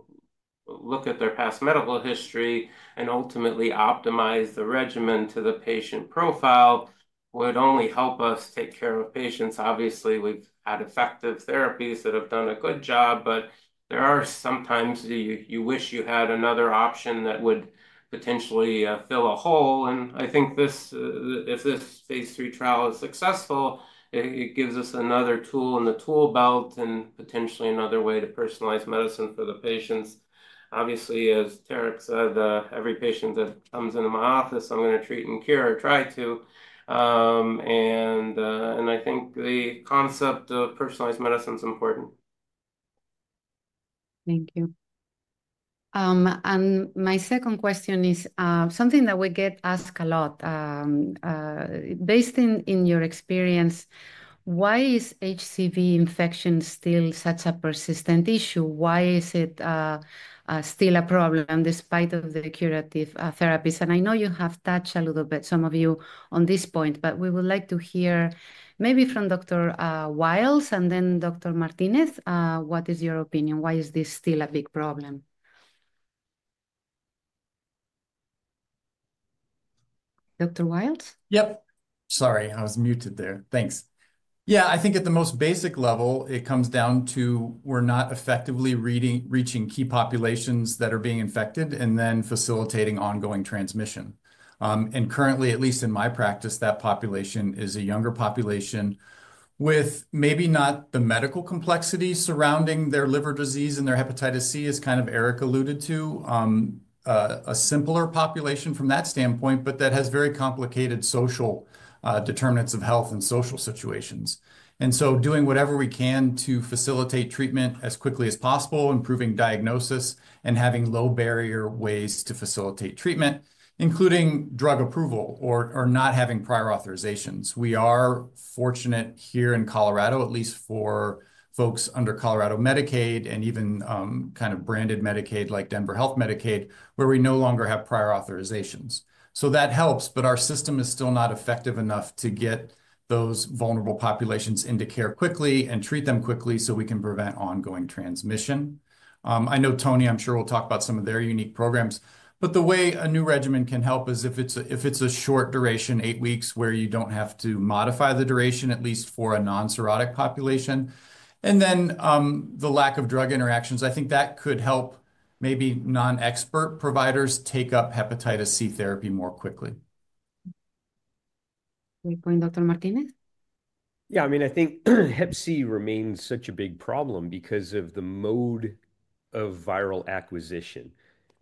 their past medical history, and ultimately optimize the regimen to the patient profile would only help us take care of patients. Obviously, we've had effective therapies that have done a good job, but there are sometimes you wish you had another option that would potentially fill a hole. I think if this phase three trial is successful, it gives us another tool in the tool belt and potentially another way to personalize medicine for the patients. Obviously, as Tarik said, every patient that comes into my office, I'm going to treat and cure or try to. I think the concept of personalized medicine is important. Thank you. My second question is something that we get asked a lot. Based on your experience, why is HCV infection still such a persistent issue? Why is it still a problem despite the curative therapies? I know you have touched a little bit, some of you, on this point, but we would like to hear maybe from Dr. Wyles, and then Dr. Martinez, what is your opinion? Why is this still a big problem? Dr. Wyles. Yep. Sorry, I was muted there. Thanks. Yeah, I think at the most basic level, it comes down to we're not effectively reaching key populations that are being infected and then facilitating ongoing transmission. Currently, at least in my practice, that population is a younger population with maybe not the medical complexity surrounding their liver disease and their hepatitis C, as kind of Eric alluded to, a simpler population from that standpoint, but that has very complicated social determinants of health and social situations. Doing whatever we can to facilitate treatment as quickly as possible, improving diagnosis, and having low-barrier ways to facilitate treatment, including drug approval or not having prior authorizations. We are fortunate here in Colorado, at least for folks under Colorado Medicaid and even kind of branded Medicaid like Denver Health Medicaid, where we no longer have prior authorizations. That helps, but our system is still not effective enough to get those vulnerable populations into care quickly and treat them quickly so we can prevent ongoing transmission. I know Tony, I'm sure we'll talk about some of their unique programs. The way a new regimen can help is if it's a short duration, eight weeks, where you do not have to modify the duration, at least for a non-cirrhotic population. Then the lack of drug interactions, I think that could help maybe non-expert providers take up hepatitis C therapy more quickly. Great point, Dr. Martinez. Yeah, I mean, I think Hep C remains such a big problem because of the mode of viral acquisition.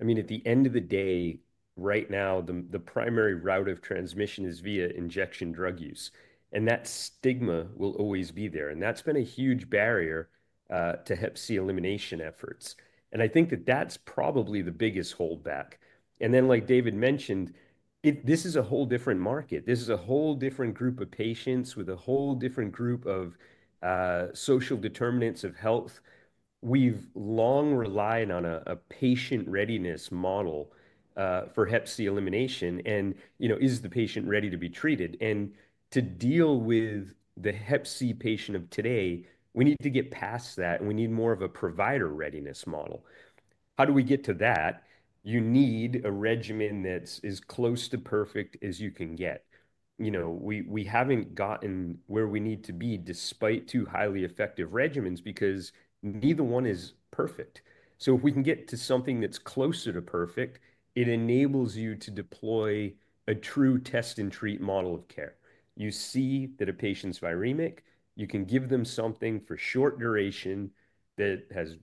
I mean, at the end of the day, right now, the primary route of transmission is via injection drug use. That stigma will always be there. That has been a huge barrier to Hep C elimination efforts. I think that is probably the biggest holdback. Like David mentioned, this is a whole different market. This is a whole different group of patients with a whole different group of social determinants of health. We've long relied on a patient readiness model for Hep C elimination. Is the patient ready to be treated? To deal with the Hep C patient of today, we need to get past that. We need more of a provider readiness model. How do we get to that? You need a regimen that is as close to perfect as you can get. We have not gotten where we need to be despite two highly effective regimens because neither one is perfect. If we can get to something that is closer to perfect, it enables you to deploy a true test and treat model of care. You see that a patient is viremic, you can give them something for short duration that has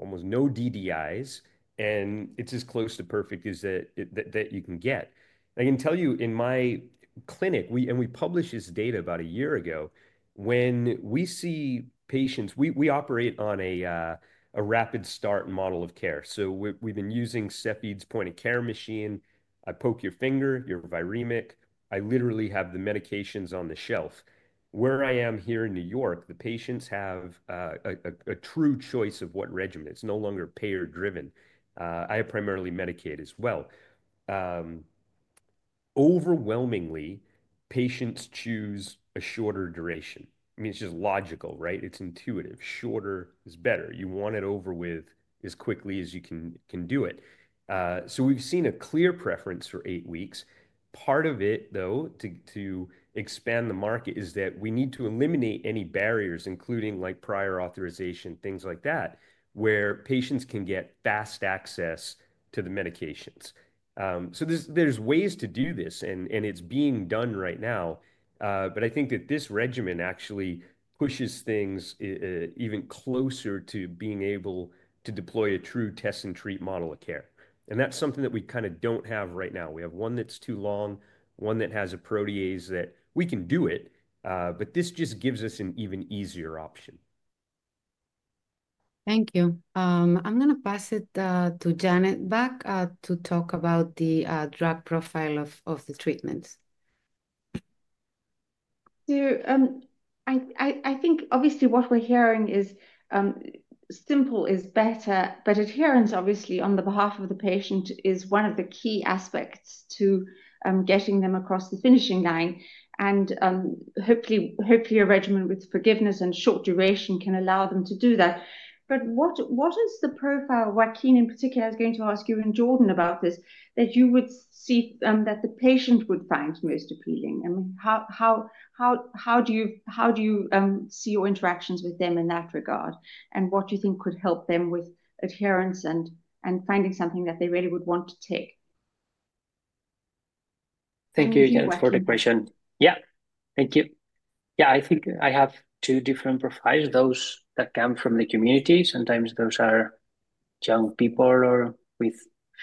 almost no DDIs, and it is as close to perfect as you can get. I can tell you in my clinic, and we published this data about a year ago, when we see patients, we operate on a rapid start model of care. We've been using Cepheid's point-of-care machine. I poke your finger, you're viremic. I literally have the medications on the shelf. Where I am here in New York, the patients have a true choice of what regimen. It's no longer payer-driven. I have primarily Medicaid as well. Overwhelmingly, patients choose a shorter duration. I mean, it's just logical, right? It's intuitive. Shorter is better. You want it over with as quickly as you can do it. We've seen a clear preference for eight weeks. Part of it, though, to expand the market is that we need to eliminate any barriers, including prior authorization, things like that, where patients can get fast access to the medications. There are ways to do this, and it's being done right now. I think that this regimen actually pushes things even closer to being able to deploy a true test and treat model of care. That is something that we kind of do not have right now. We have one that is too long, one that has a protease that we can do it, but this just gives us an even easier option. Thank you. I am going to pass it to Janet back to talk about the drug profile of the treatments. I think, obviously, what we are hearing is simple is better, but adherence, obviously, on the behalf of the patient is one of the key aspects to getting them across the finishing line. Hopefully, a regimen with forgiveness and short duration can allow them to do that. What is the profile where, Joaquin, in particular, I am going to ask you and Jordan about this, that you would see that the patient would find most appealing? How do you see your interactions with them in that regard? What do you think could help them with adherence and finding something that they really would want to take? Thank you, Janet, for the question. Yeah. Thank you. Yeah, I think I have two different profiles, those that come from the community. Sometimes those are young people or with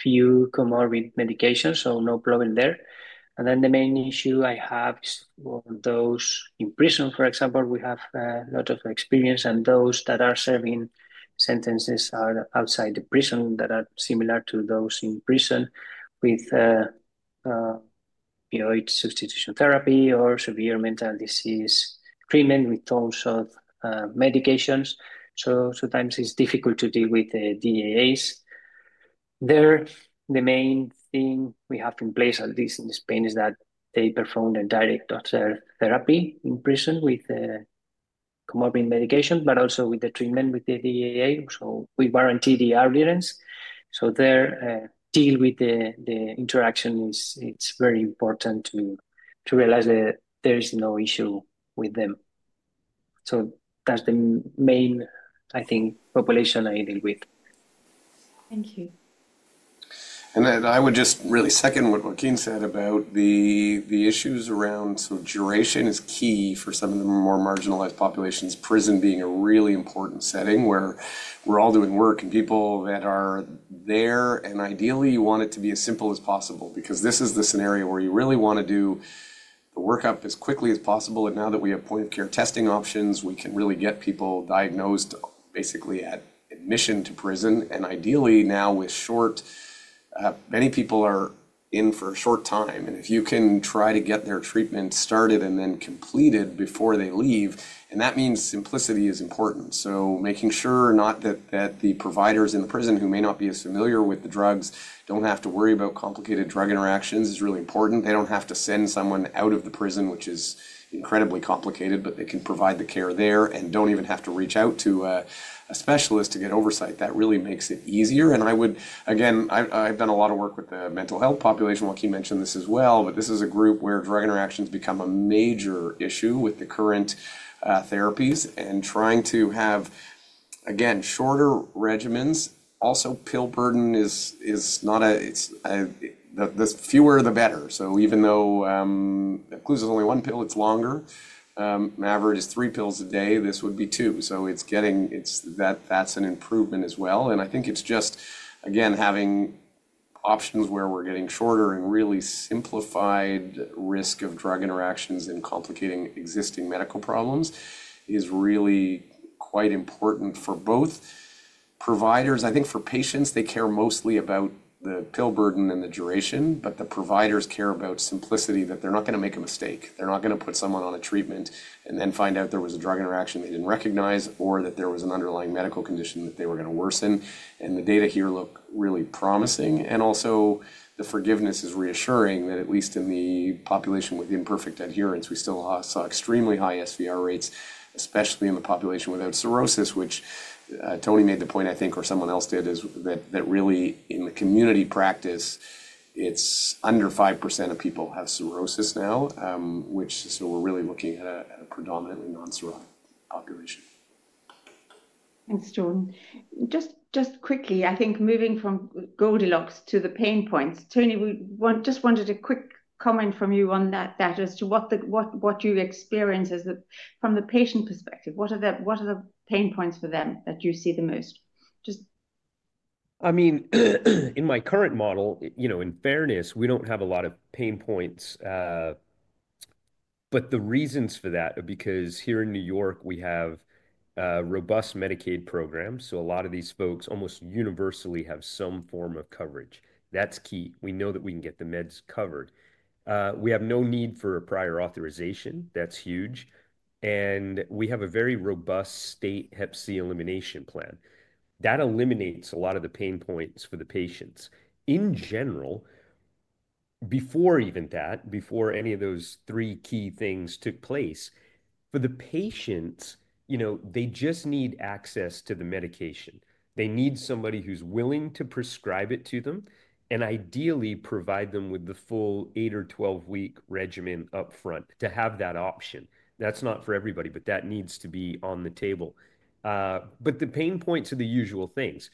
few comorbid medications, so no problem there. The main issue I have is those in prison, for example. We have a lot of experience, and those that are serving sentences or outside the prison that are similar to those in prison with substitution therapy or severe mental disease treatment with tons of medications. Sometimes it's difficult to deal with the DAAs. The main thing we have in place, at least in Spain, is that they perform the direct therapy in prison with comorbid medication, but also with the treatment with the DAA. We guarantee the adherence. There, dealing with the interaction, it's very important to realize that there is no issue with them. That's the main, I think, population I deal with. Thank you. I would just really second what Joaquin said about the issues around some duration is key for some of the more marginalized populations, prison being a really important setting where we're all doing work and people that are there. Ideally, you want it to be as simple as possible because this is the scenario where you really want to do the workup as quickly as possible. Now that we have point-of-care testing options, we can really get people diagnosed basically at admission to prison. Ideally, now with short, many people are in for a short time. If you can try to get their treatment started and then completed before they leave, that means simplicity is important. Making sure that the providers in the prison who may not be as familiar with the drugs do not have to worry about complicated drug interactions is really important. They do not have to send someone out of the prison, which is incredibly complicated, but they can provide the care there and do not even have to reach out to a specialist to get oversight. That really makes it easier. I would, again, I have done a lot of work with the mental health population. Joaquin mentioned this as well, but this is a group where drug interactions become a major issue with the current therapies and trying to have, again, shorter regimens. Also, pill burden is not a fewer, the better. Even though Epclusa is only one pill, it is longer. Mavyret is three pills a day. This would be two. That is an improvement as well. I think it is just, again, having options where we are getting shorter and really simplified risk of drug interactions and complicating existing medical problems is really quite important for both providers. I think for patients, they care mostly about the pill burden and the duration, but the providers care about simplicity that they are not going to make a mistake. They're not going to put someone on a treatment and then find out there was a drug interaction they didn't recognize or that there was an underlying medical condition that they were going to worsen. The data here look really promising. Also, the forgiveness is reassuring that at least in the population with imperfect adherence, we still saw extremely high SVR rates, especially in the population without cirrhosis, which Tony made the point, I think, or someone else did, that really in the community practice, it's under 5% of people have cirrhosis now, which is, so we're really looking at a predominantly non-cirrhotic population. Thanks, Jordan. Just quickly, I think moving from Goldilocks to the pain points, Tony just wanted a quick comment from you on that as to what you experience from the patient perspective. What are the pain points for them that you see the most? I mean, in my current model, in fairness, we do not have a lot of pain points. The reasons for that are because here in New York, we have robust Medicaid programs. A lot of these folks almost universally have some form of coverage. That is key. We know that we can get the meds covered. We have no need for a prior authorization. That is huge. We have a very robust state Hep C elimination plan. That eliminates a lot of the pain points for the patients. In general, before even that, before any of those three key things took place, for the patients, they just need access to the medication. They need somebody who is willing to prescribe it to them and ideally provide them with the full 8 or 12-week regimen upfront to have that option. That is not for everybody, but that needs to be on the table. The pain points are the usual things.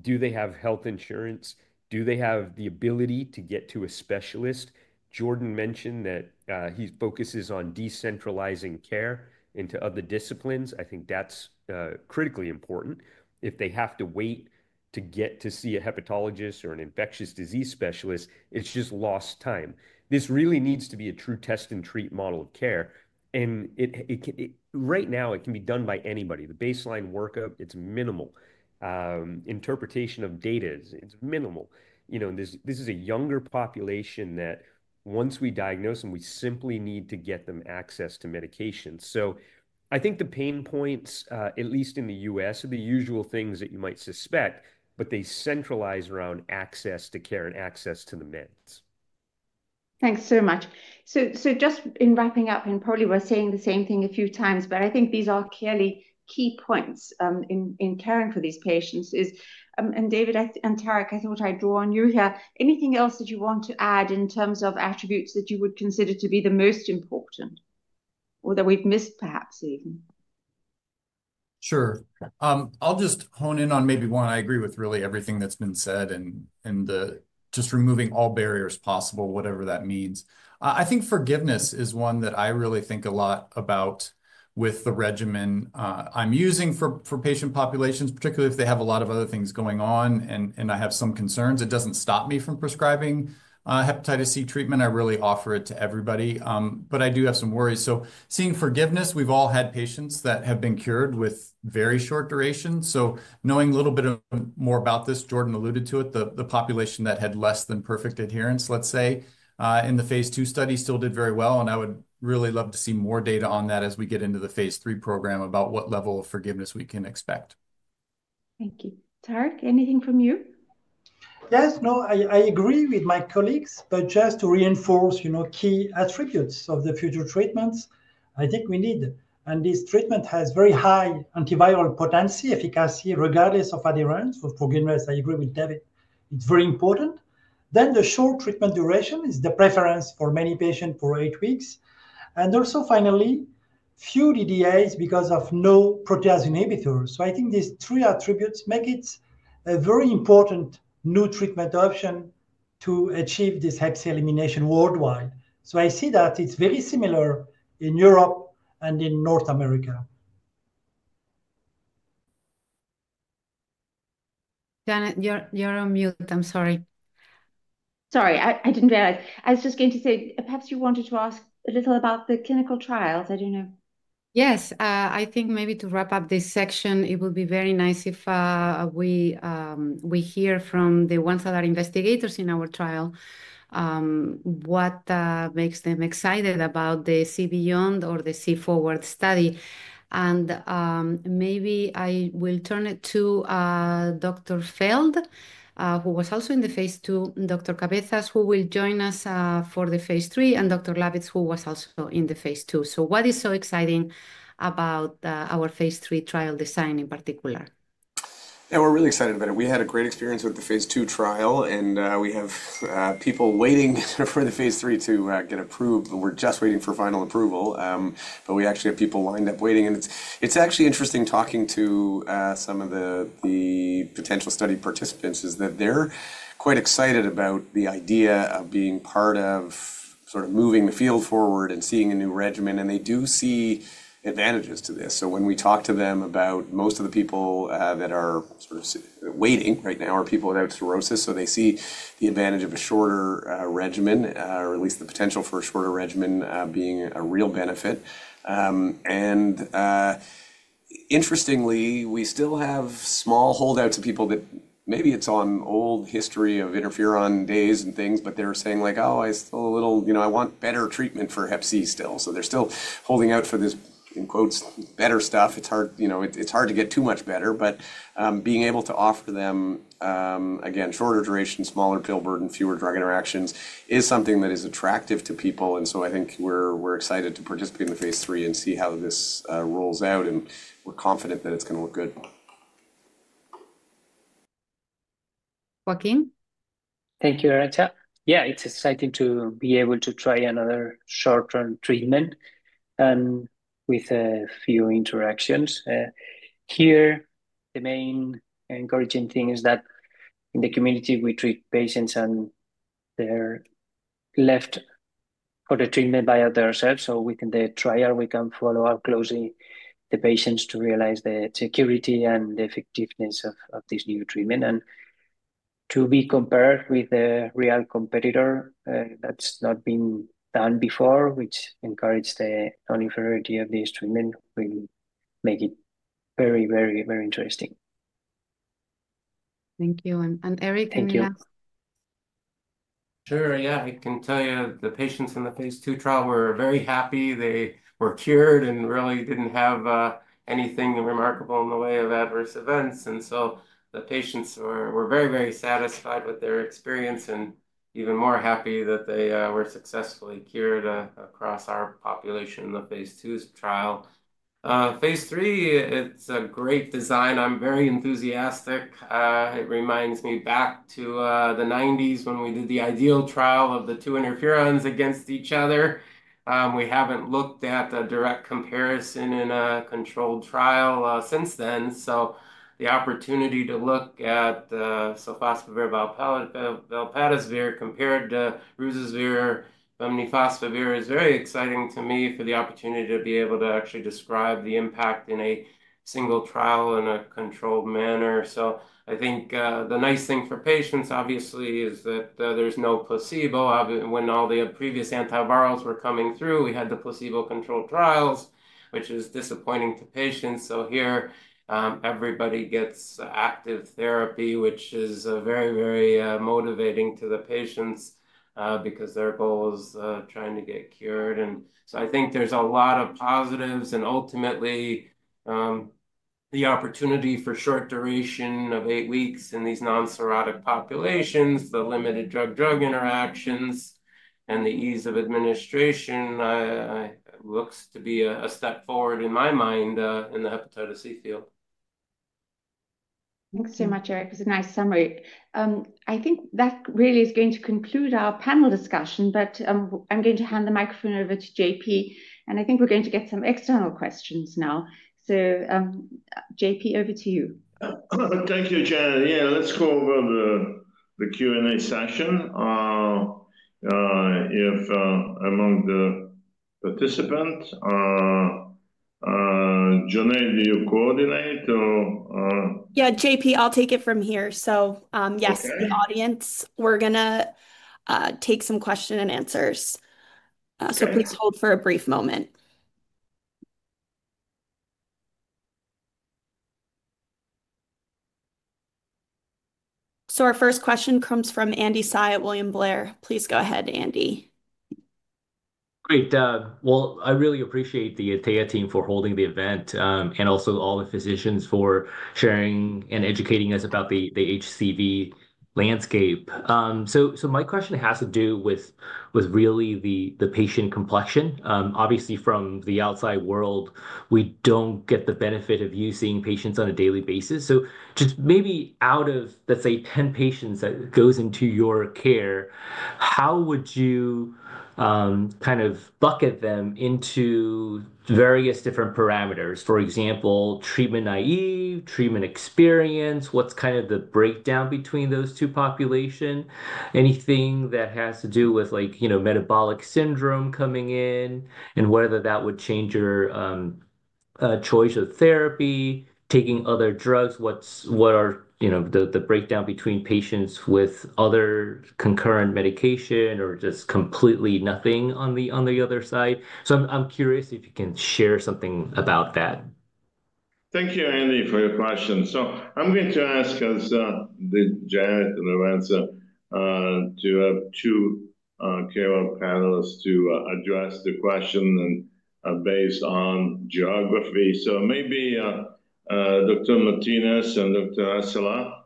Do they have health insurance? Do they have the ability to get to a specialist? Jordan mentioned that he focuses on decentralizing care into other disciplines. I think that's critically important. If they have to wait to get to see a hepatologist or an infectious disease specialist, it's just lost time. This really needs to be a true test and treat model of care. Right now, it can be done by anybody. The baseline workup, it's minimal. Interpretation of data, it's minimal. This is a younger population that once we diagnose them, we simply need to get them access to medication. I think the pain points, at least in the U.S., are the usual things that you might suspect, but they centralize around access to care and access to the meds. Thanks so much. Just in wrapping up, and probably we are saying the same thing a few times, but I think these are clearly key points in caring for these patients. David and Tarik, I thought I would draw on you here. Anything else that you want to add in terms of attributes that you would consider to be the most important or that we have missed perhaps even? Sure. I will just hone in on maybe one. I agree with really everything that has been said and just removing all barriers possible, whatever that means. I think forgiveness is one that I really think a lot about with the regimen I am using for patient populations, particularly if they have a lot of other things going on and I have some concerns. It does not stop me from prescribing hepatitis C treatment. I really offer it to everybody. I do have some worries. Seeing forgiveness, we've all had patients that have been cured with very short duration. Knowing a little bit more about this, Jordan alluded to it, the population that had less than perfect adherence, let's say, in the phase two study still did very well. I would really love to see more data on that as we get into the phase three program about what level of forgiveness we can expect. Thank you. Tarik, anything from you? Yes. I agree with my colleagues, but just to reinforce key attributes of the future treatments, I think we need. This treatment has very high antiviral potency, efficacy, regardless of adherence. For forgiveness, I agree with David. It's very important. The short treatment duration is the preference for many patients for eight weeks. Also, finally, few DDAs because of no protease inhibitors. I think these three attributes make it a very important new treatment option to achieve this Hep C elimination worldwide. I see that it's very similar in Europe and in North America. Janet, you're on mute. I'm sorry. Sorry, I didn't realize. I was just going to say, perhaps you wanted to ask a little about the clinical trials. I don't know. Yes. I think maybe to wrap up this section, it would be very nice if we hear from the ones that are investigators in our trial, what makes them excited about the See Beyond or the See Forward study. Maybe I will turn it to Dr. Feld, who was also in the phase two, Dr. Cabezas, who will join us for the phase three, and Dr. Lawitz, who was also in the phase two. What is so exciting about our phase three trial design in particular? Yeah, we're really excited about it. We had a great experience with the phase two trial, and we have people waiting for the phase three to get approved. We're just waiting for final approval, but we actually have people lined up waiting. It's actually interesting talking to some of the potential study participants is that they're quite excited about the idea of being part of sort of moving the field forward and seeing a new regimen. They do see advantages to this. When we talk to them about most of the people that are sort of waiting right now are people without cirrhosis. They see the advantage of a shorter regimen, or at least the potential for a shorter regimen being a real benefit. Interestingly, we still have small holdouts of people that maybe it's on old history of interferon days and things, but they're saying like, "Oh, I still a little, I want better treatment for Hep C still." They're still holding out for this, in quotes, "better stuff." It's hard to get too much better, but being able to offer them, again, shorter duration, smaller pill burden, fewer drug interactions is something that is attractive to people. I think we're excited to participate in the phase three and see how this rolls out. We're confident that it's going to look good. Joaquin? Thank you, Areta. Yeah, it's exciting to be able to try another short-term treatment with a few interactions. Here, the main encouraging thing is that in the community, we treat patients and they're left for the treatment by ourselves. Within the trial, we can follow up closely the patients to realize the security and the effectiveness of this new treatment. To be compared with a real competitor that's not been done before, which encourages the non-inferiority of this treatment, will make it very, very, very interesting. Thank you. Eric, can you ask? Sure. Yeah, I can tell you the patients in the phase two trial were very happy. They were cured and really did not have anything remarkable in the way of adverse events. The patients were very, very satisfied with their experience and even more happy that they were successfully cured across our population in the phase two trial. Phase three, it's a great design. I'm very enthusiastic. It reminds me back to the 1990s when we did the ideal trial of the two interferons against each other. We haven't looked at a direct comparison in a controlled trial since then. The opportunity to look at sofosbuvir-velpatasvir compared to ruzasvir-bemnifosbuvir is very exciting to me for the opportunity to be able to actually describe the impact in a single trial in a controlled manner. I think the nice thing for patients, obviously, is that there's no placebo. When all the previous antivirals were coming through, we had the placebo-controlled trials, which is disappointing to patients. Here, everybody gets active therapy, which is very, very motivating to the patients because their goal is trying to get cured. I think there's a lot of positives. Ultimately, the opportunity for short duration of eight weeks in these non-cirrhotic populations, the limited drug-drug interactions, and the ease of administration looks to be a step forward in my mind in the hepatitis C field. Thanks so much, Eric. It's a nice summary. I think that really is going to conclude our panel discussion, but I'm going to hand the microphone over to JP. I think we're going to get some external questions now. JP, over to you. Thank you, Janet. Yeah, let's go over the Q&A session. If among the participants, Janet, do you coordinate or? Yeah, JP, I'll take it from here. Yes, the audience, we're going to take some questions and answers. Please hold for a brief moment. Our first question comes from Andy Sai at William Blair. Please go ahead, Andy. Great. I really appreciate the Atea team for holding the event and also all the physicians for sharing and educating us about the HCV landscape. My question has to do with really the patient complexion. Obviously, from the outside world, we do not get the benefit of you seeing patients on a daily basis. Just maybe out of, let's say, 10 patients that go into your care, how would you kind of bucket them into various different parameters? For example, treatment naive, treatment experienced, what is kind of the breakdown between those two populations? Anything that has to do with metabolic syndrome coming in and whether that would change your choice of therapy, taking other drugs? What are the breakdowns between patients with other concurrent medication or just completely nothing on the other side? I am curious if you can share something about that. Thank you, Andy, for your question. I am going to ask Janet and Arantxa to have two panelists address the question based on geography. Maybe Dr. Martinez and Dr. Asala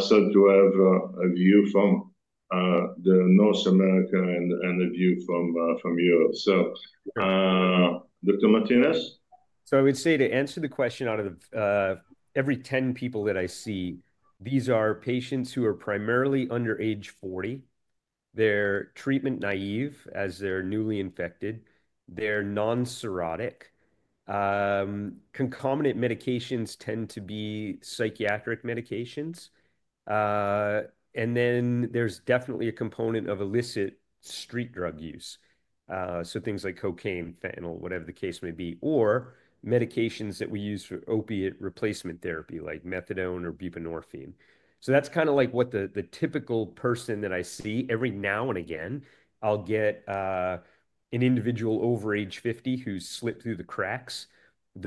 said to have a view from the North America and a view from Europe. Dr. Martinez? I would say to answer the question out of every 10 people that I see, these are patients who are primarily under age 40. They're treatment naive as they're newly infected. They're non-cirrhotic. Concomitant medications tend to be psychiatric medications. There's definitely a component of illicit street drug use. Things like cocaine, fentanyl, whatever the case may be, or medications that we use for opiate replacement therapy like methadone or buprenorphine. That's kind of like what the typical person that I see. Every now and again, I'll get an individual over age 50 who's slipped through the cracks.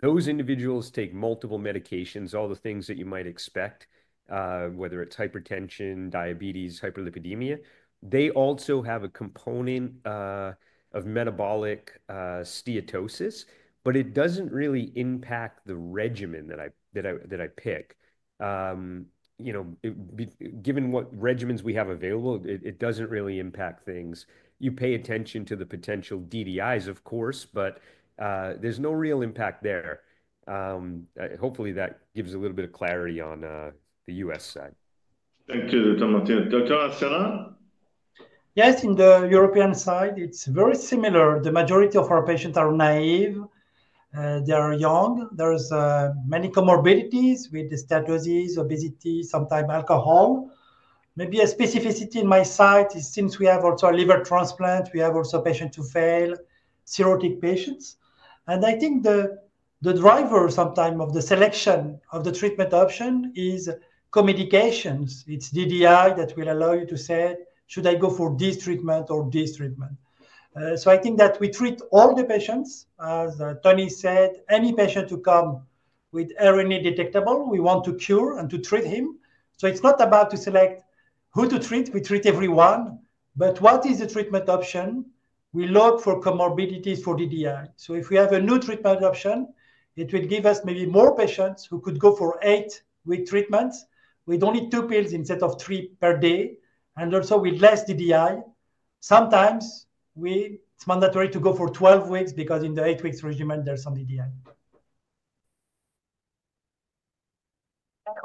Those individuals take multiple medications, all the things that you might expect, whether it's hypertension, diabetes, hyperlipidemia. They also have a component of metabolic steatosis, but it doesn't really impact the regimen that I pick. Given what regimens we have available, it doesn't really impact things. You pay attention to the potential DDIs, of course, but there's no real impact there. Hopefully, that gives a little bit of clarity on the U.S. side. Thank you, Dr. Martin. Dr. Asselah? Yes, in the European side, it's very similar. The majority of our patients are naive. They are young. There are many comorbidities with steatosis, obesity, sometimes alcohol. Maybe a specificity in my site is since we have also a liver transplant, we have also patients who fail, cirrhotic patients. I think the driver sometimes of the selection of the treatment option is communications. It's DDI that will allow you to say, "Should I go for this treatment or this treatment?" I think that we treat all the patients. As Tony said, any patient who comes with RNA detectable, we want to cure and to treat him. It's not about to select who to treat. We treat everyone. What is the treatment option? We look for comorbidities for DDI. If we have a new treatment option, it would give us maybe more patients who could go for eight-week treatments with only two pills instead of three per day and also with less DDI. Sometimes it's mandatory to go for 12 weeks because in the eight-week regimen, there's some DDI.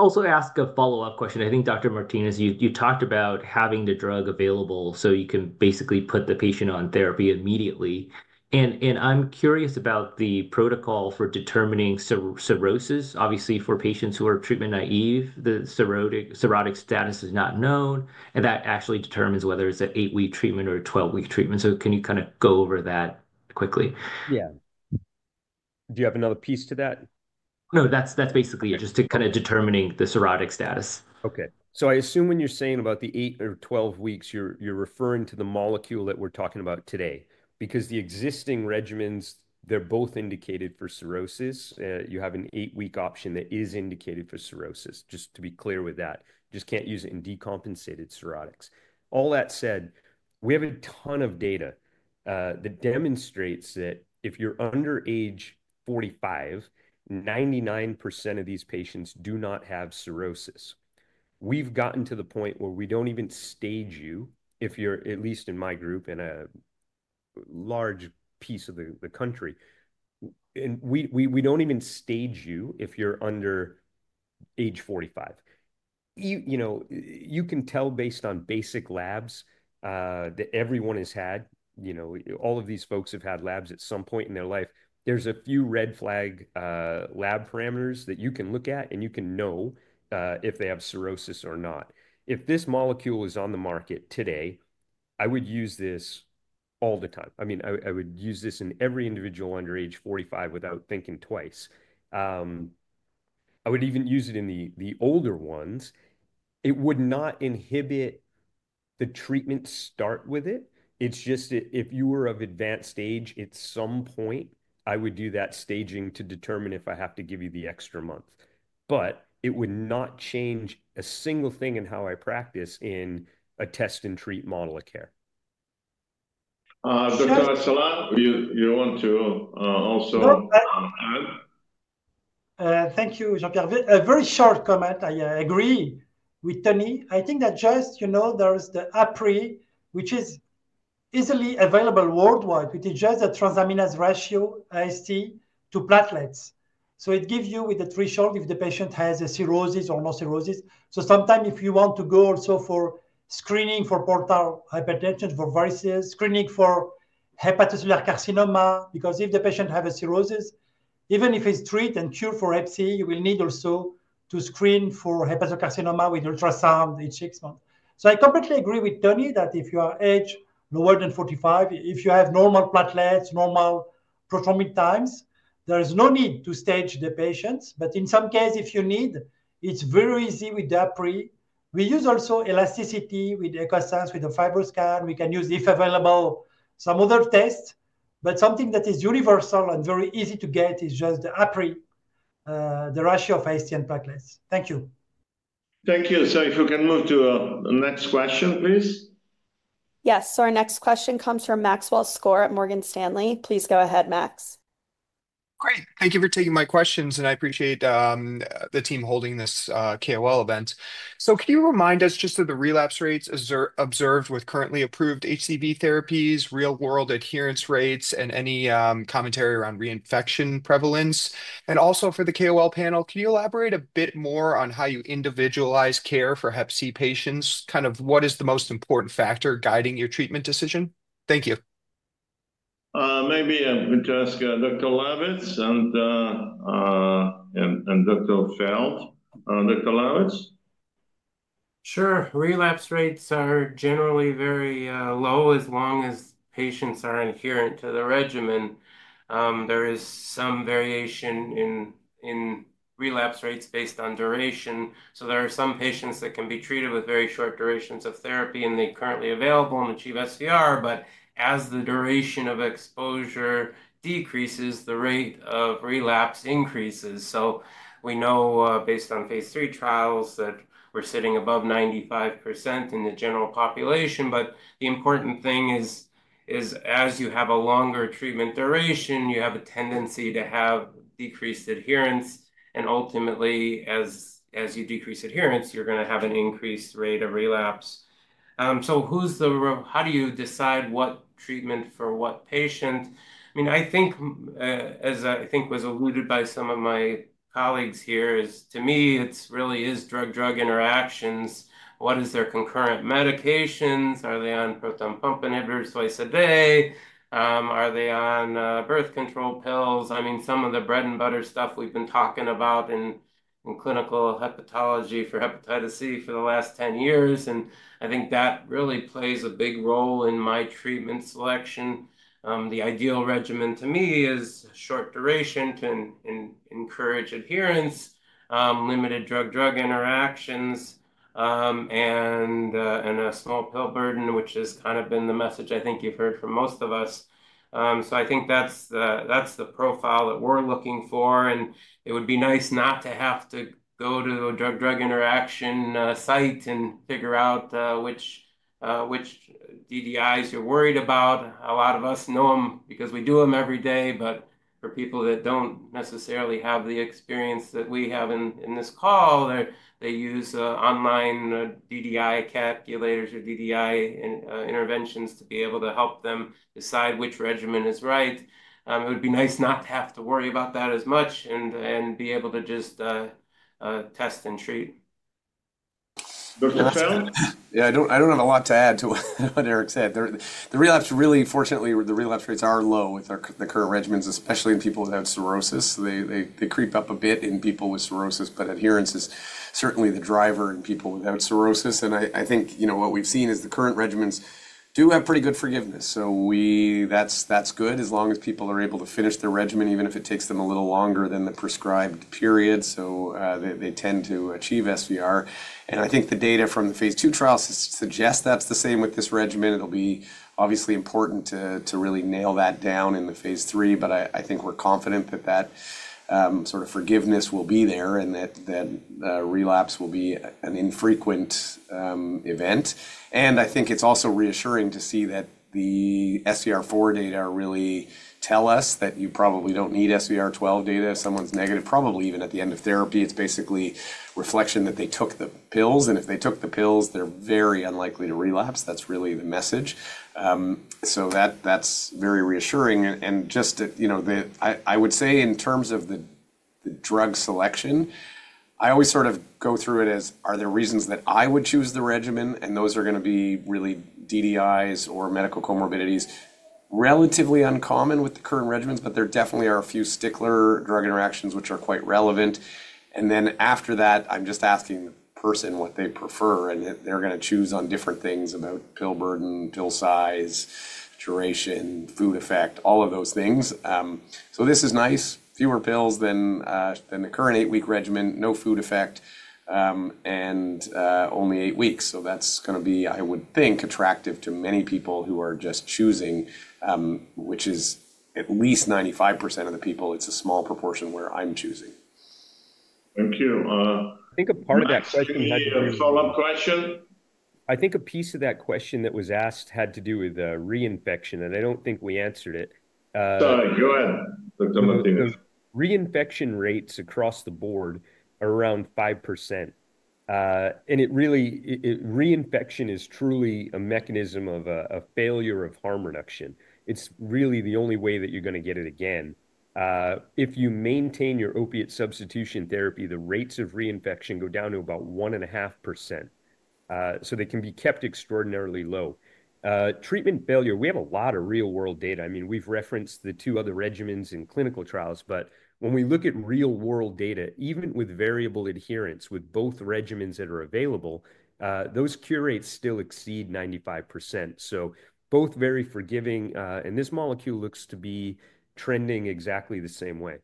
I'll also ask a follow-up question. I think, Dr. Martinez, you talked about having the drug available so you can basically put the patient on therapy immediately. I'm curious about the protocol for determining cirrhosis. Obviously, for patients who are treatment naive, the cirrhotic status is not known. That actually determines whether it's an eight-week treatment or a 12-week treatment. Can you kind of go over that quickly? Yeah. Do you have another piece to that? No, that's basically it, just to kind of determine the cirrhotic status. Okay. I assume when you're saying about the eight or 12 weeks, you're referring to the molecule that we're talking about today because the existing regimens, they're both indicated for cirrhosis. You have an eight-week option that is indicated for cirrhosis, just to be clear with that. You just can't use it in decompensated cirrhotics. All that said, we have a ton of data that demonstrates that if you're under age 45, 99% of these patients do not have cirrhosis. We've gotten to the point where we don't even stage you, if you're at least in my group in a large piece of the country. We don't even stage you if you're under age 45. You can tell based on basic labs that everyone has had. All of these folks have had labs at some point in their life. There's a few red flag lab parameters that you can look at, and you can know if they have cirrhosis or not. If this molecule is on the market today, I would use this all the time. I mean, I would use this in every individual under age 45 without thinking twice. I would even use it in the older ones. It would not inhibit the treatment start with it. It's just that if you were of advanced age, at some point, I would do that staging to determine if I have to give you the extra month. But it would not change a single thing in how I practice in a test-and-treat model of care. Dr. Asselah, you want to also add? Thank you, Jean-Pierre. Very short comment. I agree with Tony. I think that just there's the APRI, which is easily available worldwide, which is just a transaminase ratio, AST to platelets. So it gives you with the threshold if the patient has a cirrhosis or no cirrhosis. Sometimes if you want to go also for screening for portal hypertension, for varices, screening for hepatocellular carcinoma, because if the patient has a cirrhosis, even if it's treated and cured for Hep C, you will need also to screen for hepatocarcinoma with ultrasound each six months. I completely agree with Tony that if you are aged lower than 45, if you have normal platelets, normal prothrombin times, there is no need to stage the patients. In some cases, if you need, it is very easy with the APRI. We use also elasticity with ECOSENSE with the FibroScan. We can use, if available, some other tests. Something that is universal and very easy to get is just the APRI, the ratio of AST and platelets. Thank you. Thank you. If we can move to the next question, please. Yes. Our next question comes from Maxwell Score at Morgan Stanley. Please go ahead, Max. Great. Thank you for taking my questions, and I appreciate the team holding this KOL event. Can you remind us just of the relapse rates observed with currently approved HCV therapies, real-world adherence rates, and any commentary around reinfection prevalence? Also, for the KOL panel, can you elaborate a bit more on how you individualize care for Hep C patients? Kind of what is the most important factor guiding your treatment decision? Thank you. Maybe I could ask Dr. Lawitz and Dr. Feld. Dr. Lawitz? Sure. Relapse rates are generally very low as long as patients are adherent to the regimen. There is some variation in relapse rates based on duration. There are some patients that can be treated with very short durations of therapy, and they are currently available in the chief SVR. As the duration of exposure decreases, the rate of relapse increases. We know based on phase three trials that we are sitting above 95% in the general population. The important thing is, as you have a longer treatment duration, you have a tendency to have decreased adherence. Ultimately, as you decrease adherence, you're going to have an increased rate of relapse. How do you decide what treatment for what patient? I mean, I think, as I think was alluded by some of my colleagues here, to me, it really is drug-drug interactions. What is their concurrent medications? Are they on proton pump inhibitors twice a day? Are they on birth control pills? I mean, some of the bread-and-butter stuff we've been talking about in clinical hepatology for hepatitis C for the last 10 years. I think that really plays a big role in my treatment selection. The ideal regimen to me is short duration to encourage adherence, limited drug-drug interactions, and a small pill burden, which has kind of been the message I think you've heard from most of us. I think that's the profile that we're looking for. It would be nice not to have to go to a drug-drug interaction site and figure out which DDIs you're worried about. A lot of us know them because we do them every day. For people that don't necessarily have the experience that we have in this call, they use online DDI calculators or DDI interventions to be able to help them decide which regimen is right. It would be nice not to have to worry about that as much and be able to just test and treat. Dr. Feld? Yeah, I don't have a lot to add to what Eric said. The relapse, really, fortunately, the relapse rates are low with the current regimens, especially in people without cirrhosis. They creep up a bit in people with cirrhosis, but adherence is certainly the driver in people without cirrhosis. I think what we've seen is the current regimens do have pretty good forgiveness. That is good as long as people are able to finish their regimen, even if it takes them a little longer than the prescribed period. They tend to achieve SVR. I think the data from the phase two trials suggest that is the same with this regimen. It will be obviously important to really nail that down in the phase three. I think we are confident that that sort of forgiveness will be there and that relapse will be an infrequent event. I think it's also reassuring to see that the SVR4 data really tell us that you probably don't need SVR12 data if someone's negative, probably even at the end of therapy. It's basically a reflection that they took the pills. If they took the pills, they're very unlikely to relapse. That's really the message. That is very reassuring. I would say in terms of the drug selection, I always sort of go through it as, are there reasons that I would choose the regimen? Those are going to be really DDIs or medical comorbidities. Relatively uncommon with the current regimens, but there definitely are a few stickler drug interactions which are quite relevant. After that, I'm just asking the person what they prefer. They're going to choose on different things about pill burden, pill size, duration, food effect, all of those things. This is nice. Fewer pills than the current eight-week regimen, no food effect, and only eight weeks. That is going to be, I would think, attractive to many people who are just choosing, which is at least 95% of the people. It is a small proportion where I am choosing. Thank you. I think a part of that question had to do with a follow-up question. I think a piece of that question that was asked had to do with reinfection. I do not think we answered it. Sorry. Go ahead, Dr. Martinez. Reinfection rates across the board are around 5%. Reinfection is truly a mechanism of failure of harm reduction. It is really the only way that you are going to get it again. If you maintain your opiate substitution therapy, the rates of reinfection go down to about 1.5%. They can be kept extraordinarily low. Treatment failure, we have a lot of real-world data. I mean, we've referenced the two other regimens in clinical trials. When we look at real-world data, even with variable adherence with both regimens that are available, those cure rates still exceed 95%. Both very forgiving. This molecule looks to be trending exactly the same way.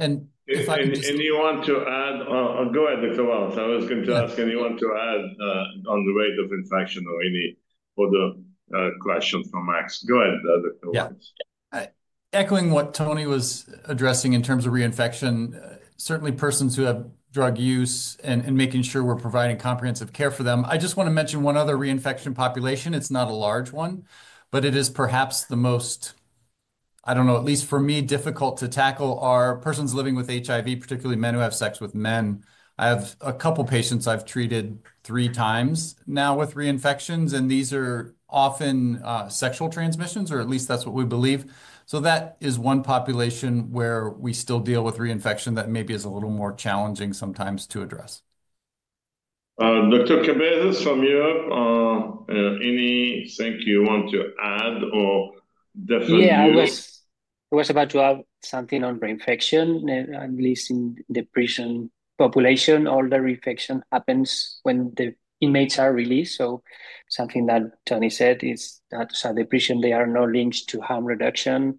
If I can just—Anyone to add? Go ahead, Dr. Wyles. I was going to ask, anyone to add on the rate of infection or any other questions for Max? Go ahead, Dr. Wyles. Echoing what Tony was addressing in terms of reinfection, certainly persons who have drug use and making sure we're providing comprehensive care for them. I just want to mention one other reinfection population. It's not a large one, but it is perhaps the most, I don't know, at least for me, difficult to tackle are persons living with HIV, particularly men who have sex with men. I have a couple of patients I've treated three times now with reinfections. And these are often sexual transmissions, or at least that's what we believe. That is one population where we still deal with reinfection that maybe is a little more challenging sometimes to address. Dr. Cabezas from Europe, anything you want to add or definitely? Yeah, I was about to add something on reinfection. At least in the prison population, all the reinfection happens when the inmates are released. Something that Tony said is that some of the prisons, they are not linked to harm reduction,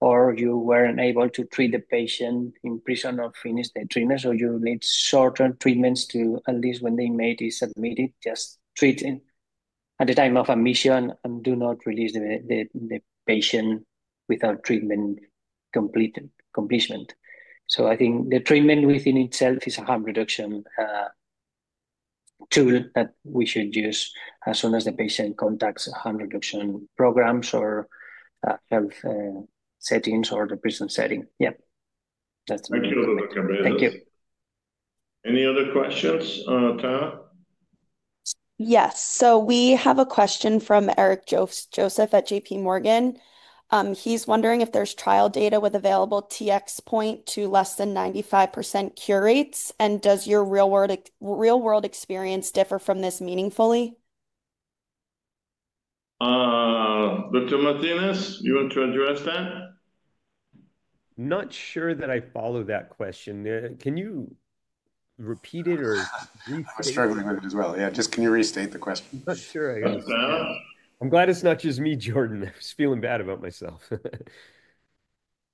or you were not able to treat the patient in prison or finish the treatment. You need certain treatments to, at least when the inmate is admitted, just treat him at the time of admission and do not release the patient without treatment completion. I think the treatment within itself is a harm reduction tool that we should use as soon as the patient contacts harm reduction programs or health settings or the prison setting. Yeah. Thank you, Dr. Cabezas. Thank you. Any other questions, Janet? Yes. We have a question from Eric Joseph at JPMorgan. He's wondering if there's trial data with available TX point to less than 95% cure rates. Does your real-world experience differ from this meaningfully? Dr. Martinez, you want to address that? Not sure that I follow that question. Can you repeat it or restate it? I'm struggling with it as well. Yeah, just can you restate the question? Sure. I'm glad it's not just me, Jordan. I was feeling bad about myself.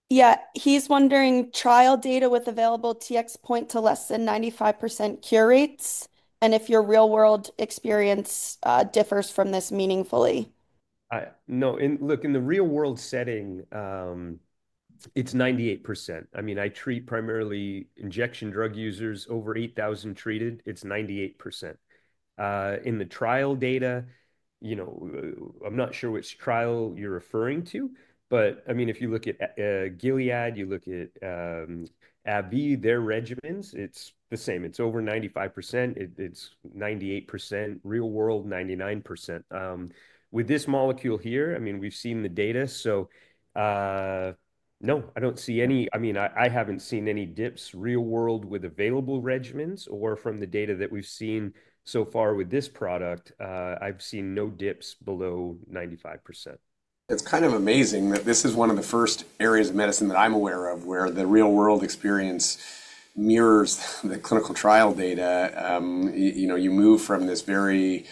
Yeah. He's wondering trial data with available TX point to less than 95% cure rates. And if your real-world experience differs from this meaningfully. No, look, in the real-world setting, it's 98%. I mean, I treat primarily injection drug users, over 8,000 treated. It's 98%. In the trial data, I'm not sure which trial you're referring to. I mean, if you look at Gilead, you look at AbbVie, their regimens, it's the same. It's over 95%. It's 98%, real-world, 99%. With this molecule here, I mean, we've seen the data. I don't see any—I mean, I haven't seen any dips real-world with available regimens. Or from the data that we've seen so far with this product, I've seen no dips below 95%. It's kind of amazing that this is one of the first areas of medicine that I'm aware of where the real-world experience mirrors the clinical trial data. You move from this very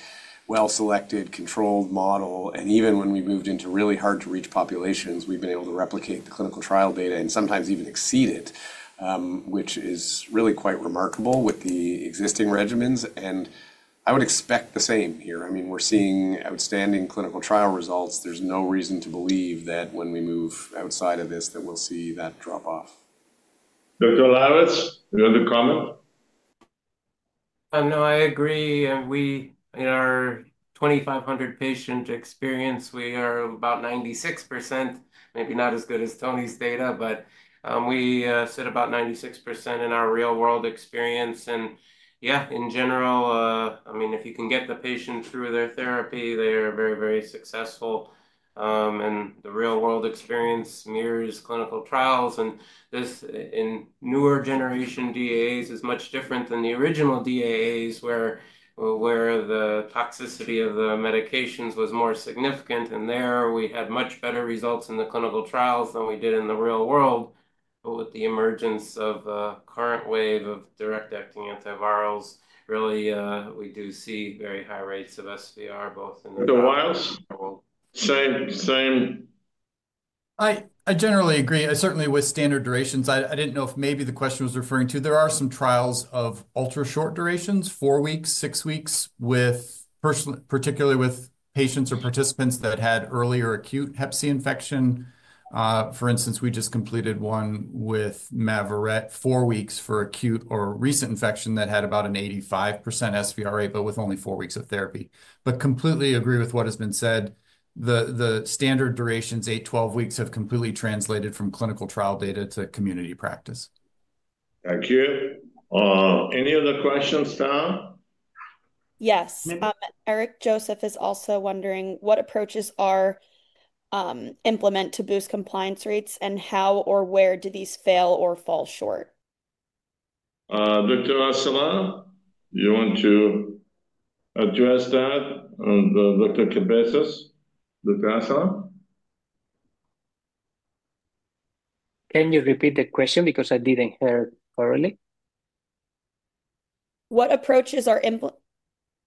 well-selected, controlled model. Even when we moved into really hard-to-reach populations, we've been able to replicate the clinical trial data and sometimes even exceed it, which is really quite remarkable with the existing regimens. I would expect the same here. I mean, we're seeing outstanding clinical trial results. There's no reason to believe that when we move outside of this, that we'll see that drop off. Dr. Lawitz, you have a comment? No, I agree. In our 2,500 patient experience, we are about 96%. Maybe not as good as Tony's data, but we sit about 96% in our real-world experience. Yeah, in general, I mean, if you can get the patient through their therapy, they are very, very successful. The real-world experience mirrors clinical trials. This in newer generation DAAs is much different than the original DAAs where the toxicity of the medications was more significant. There, we had much better results in the clinical trials than we did in the real world. With the emergence of a current wave of direct-acting antivirals, really, we do see very high rates of SVR both in the— Dr. Wyles? Same. I generally agree. Certainly with standard durations, I did not know if maybe the question was referring to. There are some trials of ultra-short durations, four weeks, six weeks, particularly with patients or participants that had earlier acute hep C infection. For instance, we just completed one with Mavyret four weeks for acute or recent infection that had about an 85% SVR rate, but with only four weeks of therapy. I completely agree with what has been said. The standard durations, 8-12 weeks, have completely translated from clinical trial data to community practice. Thank you. Any other questions, Janet? Yes. Eric Joseph is also wondering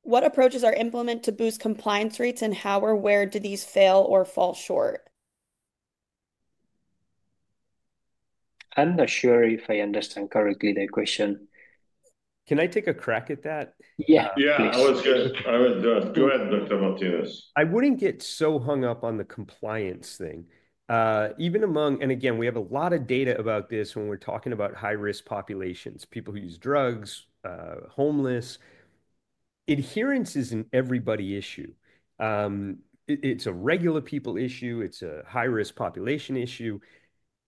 what approaches are implemented to boost compliance rates and how or where do these fail or fall short. Dr. Cabezas, you want to address that? And Dr. Cabezas? Dr. Cabezas? Can you repeat the question because I did not hear it thoroughly? What approaches are implemented to boost compliance rates and how or where do these fail or fall short? I am not sure if I understand correctly the question. Can I take a crack at that? Yeah. Yeah, I was good. I was good. Go ahead, Dr. Martinez. I wouldn't get so hung up on the compliance thing. Again, we have a lot of data about this when we're talking about high-risk populations, people who use drugs, homeless. Adherence is an everybody issue. It's a regular people issue. It's a high-risk population issue.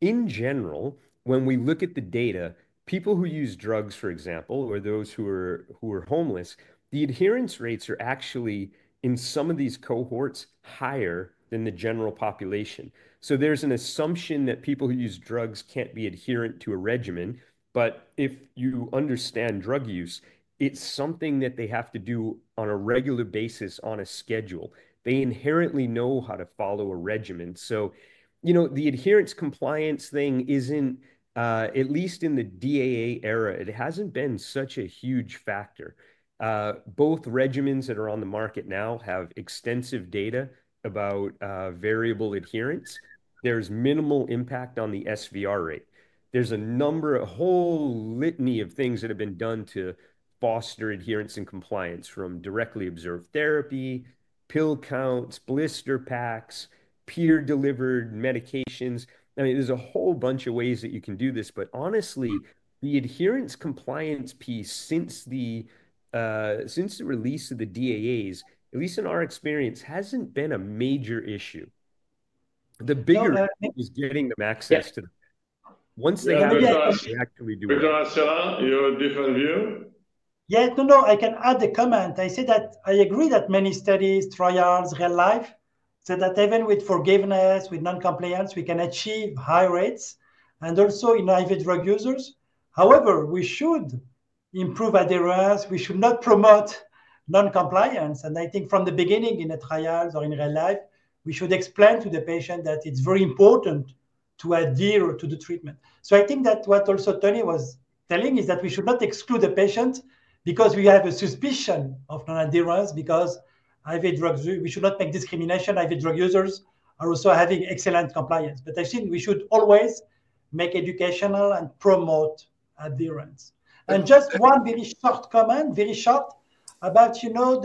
In general, when we look at the data, people who use drugs, for example, or those who are homeless, the adherence rates are actually, in some of these cohorts, higher than the general population. There's an assumption that people who use drugs can't be adherent to a regimen. If you understand drug use, it's something that they have to do on a regular basis on a schedule. They inherently know how to follow a regimen. The adherence compliance thing isn't, at least in the DAA era, it hasn't been such a huge factor. Both regimens that are on the market now have extensive data about variable adherence. There is minimal impact on the SVR rate. There is a whole litany of things that have been done to foster adherence and compliance from directly observed therapy, pill counts, blister packs, peer-delivered medications. I mean, there is a whole bunch of ways that you can do this. Honestly, the adherence compliance piece since the release of the DAAs, at least in our experience, has not been a major issue. The bigger thing is getting them access to the—once they have the option, they actually do it. Dr. Asiman, you have a different view? Yeah. No, no. I can add a comment. I said that I agree that many studies, trials, real life said that even with forgiveness, with non-compliance, we can achieve high rates and also in IV drug users. However, we should improve adherence. We should not promote non-compliance. I think from the beginning in the trials or in real life, we should explain to the patient that it is very important to adhere to the treatment. I think that what also Tony was telling is that we should not exclude the patient because we have a suspicion of non-adherence because IV drugs—we should not make discrimination. IV drug users are also having excellent compliance. I think we should always make educational and promote adherence. Just one very short comment, very short about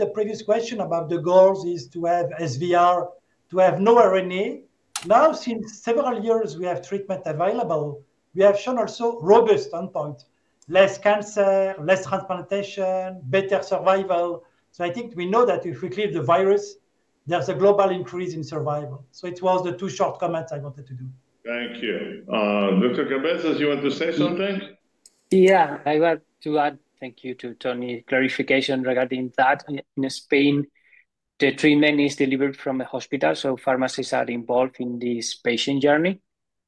the previous question about the goals is to have SVR, to have no RNA. Now, since several years we have treatment available, we have shown also robust endpoint, less cancer, less transplantation, better survival. I think we know that if we clear the virus, there is a global increase in survival. It was the two short comments I wanted to do. Thank you. Dr. Cabezas, you want to say something? Yeah. I want to add thank you to Tony's clarification regarding that. In Spain, the treatment is delivered from a hospital. Pharmacies are involved in this patient journey.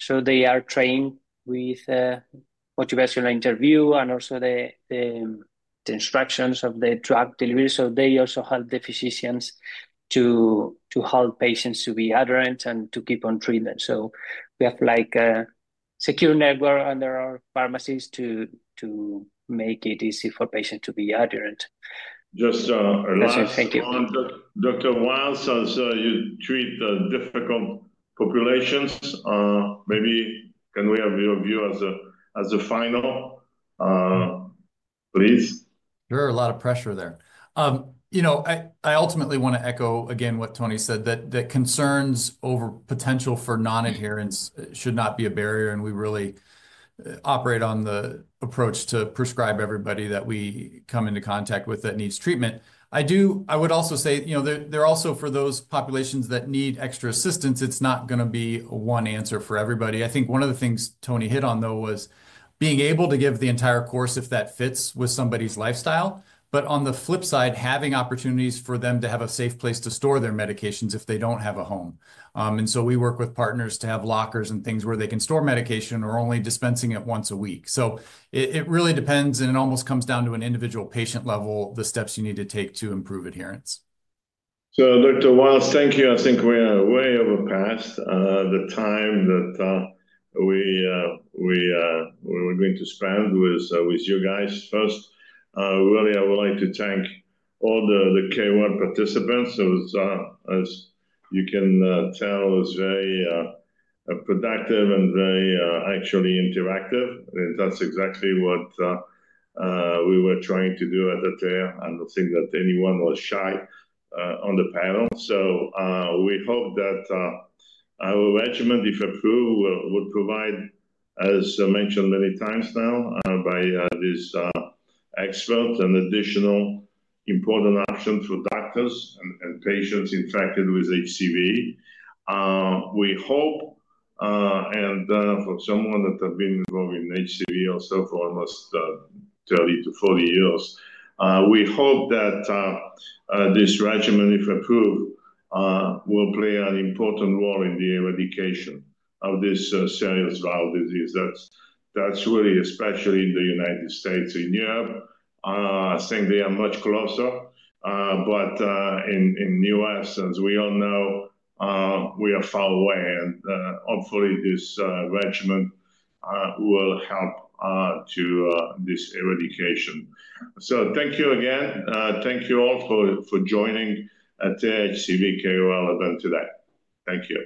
They are trained with motivational interview and also the instructions of the drug delivery. They also help the physicians to help patients to be adherent and to keep on treatment. We have a secure network under our pharmacies to make it easy for patients to be adherent. Just a last comment. Dr. Wyles, you treat the difficult populations. Maybe can we have your view as a final, please? There is a lot of pressure there. I ultimately want to echo again what Tony said, that concerns over potential for non-adherence should not be a barrier. We really operate on the approach to prescribe everybody that we come into contact with that needs treatment. I would also say they're also for those populations that need extra assistance. It's not going to be one answer for everybody. I think one of the things Tony hit on, though, was being able to give the entire course if that fits with somebody's lifestyle. On the flip side, having opportunities for them to have a safe place to store their medications if they don't have a home. We work with partners to have lockers and things where they can store medication or only dispensing it once a week. It really depends. It almost comes down to an individual patient level, the steps you need to take to improve adherence. Dr. Wyles, thank you. I think we are way over past the time that we were going to spend with you guys. First, really, I would like to thank all the K1 participants. As you can tell, it was very productive and very actually interactive. That is exactly what we were trying to do at the time. I do not think that anyone was shy on the panel. We hope that our regimen, if approved, would provide, as mentioned many times now by this expert, an additional important option for doctors and patients infected with HCV. We hope, and for someone that has been involved in HCV also for almost 30 to 40 years, we hope that this regimen, if approved, will play an important role in the eradication of this serious viral disease. That is really especially in the United States and Europe. I think they are much closer. In the U.S., as we all know, we are far away. Hopefully, this regimen will help to this eradication. Thank you again. Thank you all for joining at the HCV K1 event today. Thank you.